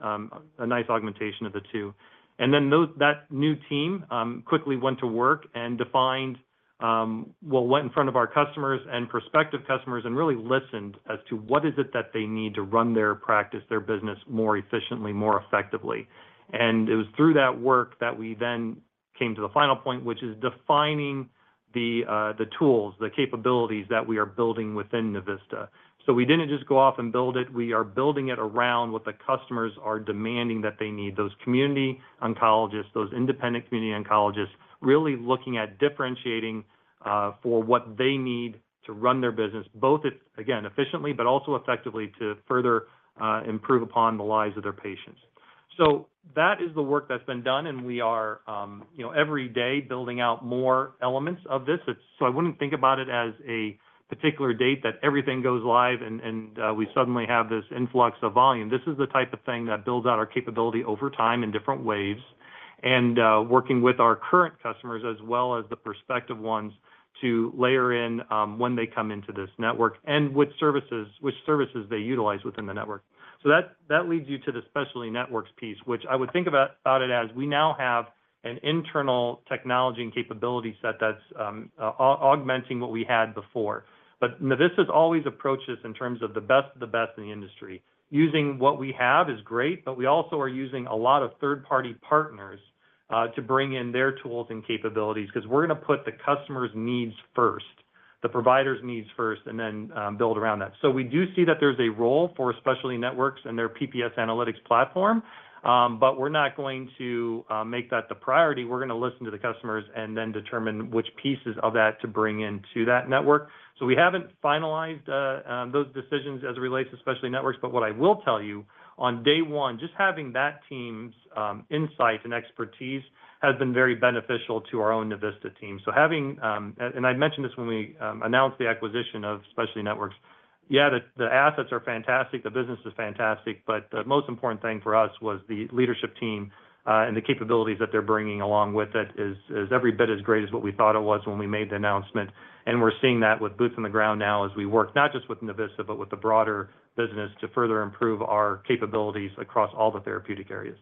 a nice augmentation of the two. And then that new team quickly went to work and defined... Well, went in front of our customers and prospective customers and really listened as to what is it that they need to run their practice, their business, more efficiently, more effectively. And it was through that work that we then came to the final point, which is defining the tools, the capabilities that we are building within Navista. So we didn't just go off and build it. We are building it around what the customers are demanding that they need. Those community oncologists, those independent community oncologists, really looking at differentiating for what they need to run their business, both, again, efficiently, but also effectively to further improve upon the lives of their patients. So that is the work that's been done, and we are, you know, every day building out more elements of this. So I wouldn't think about it as a particular date that everything goes live and we suddenly have this influx of volume. This is the type of thing that builds out our capability over time in different ways, and working with our current customers, as well as the prospective ones, to layer in when they come into this network and which services, which services they utilize within the network. So that leads you to the Specialty Networks piece, which I would think about it as we now have an internal technology and capability set that's augmenting what we had before. But Navista's always approached this in terms of the best of the best in the industry. Using what we have is great, but we also are using a lot of third-party partners to bring in their tools and capabilities, 'cause we're gonna put the customer's needs first, the provider's needs first, and then build around that. So we do see that there's a role for Specialty Networks and their PPS Analytics platform, but we're not going to make that the priority. We're gonna listen to the customers and then determine which pieces of that to bring into that network. So we haven't finalized those decisions as it relates to Specialty Networks, but what I will tell you, on day one, just having that team's insight and expertise has been very beneficial to our own Navista team. So having... And I mentioned this when we announced the acquisition of Specialty Networks. Yeah, the assets are fantastic, the business is fantastic, but the most important thing for us was the leadership team, and the capabilities that they're bringing along with it is every bit as great as what we thought it was when we made the announcement. And we're seeing that with boots on the ground now as we work, not just with Navista, but with the broader business, to further improve our capabilities across all the therapeutic areas.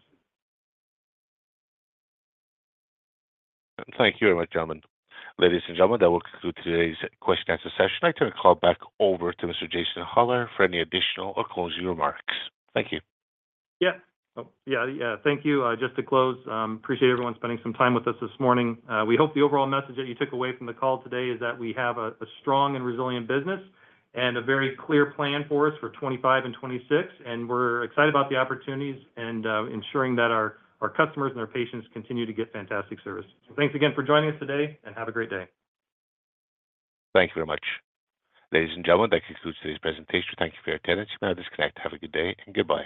Thank you very much, gentlemen. Ladies and gentlemen, that will conclude today's question and answer session. I turn the call back over to Mr. Jason Hollar for any additional or closing remarks. Thank you. Yeah. Oh, yeah, yeah. Thank you. Just to close, appreciate everyone spending some time with us this morning. We hope the overall message that you took away from the call today is that we have a strong and resilient business, and a very clear plan for us for 2025 and 2026, and we're excited about the opportunities and ensuring that our customers and our patients continue to get fantastic service. So thanks again for joining us today, and have a great day. Thank you very much. Ladies and gentlemen, that concludes today's presentation. Thank you for your attendance. You may now disconnect. Have a good day, and goodbye.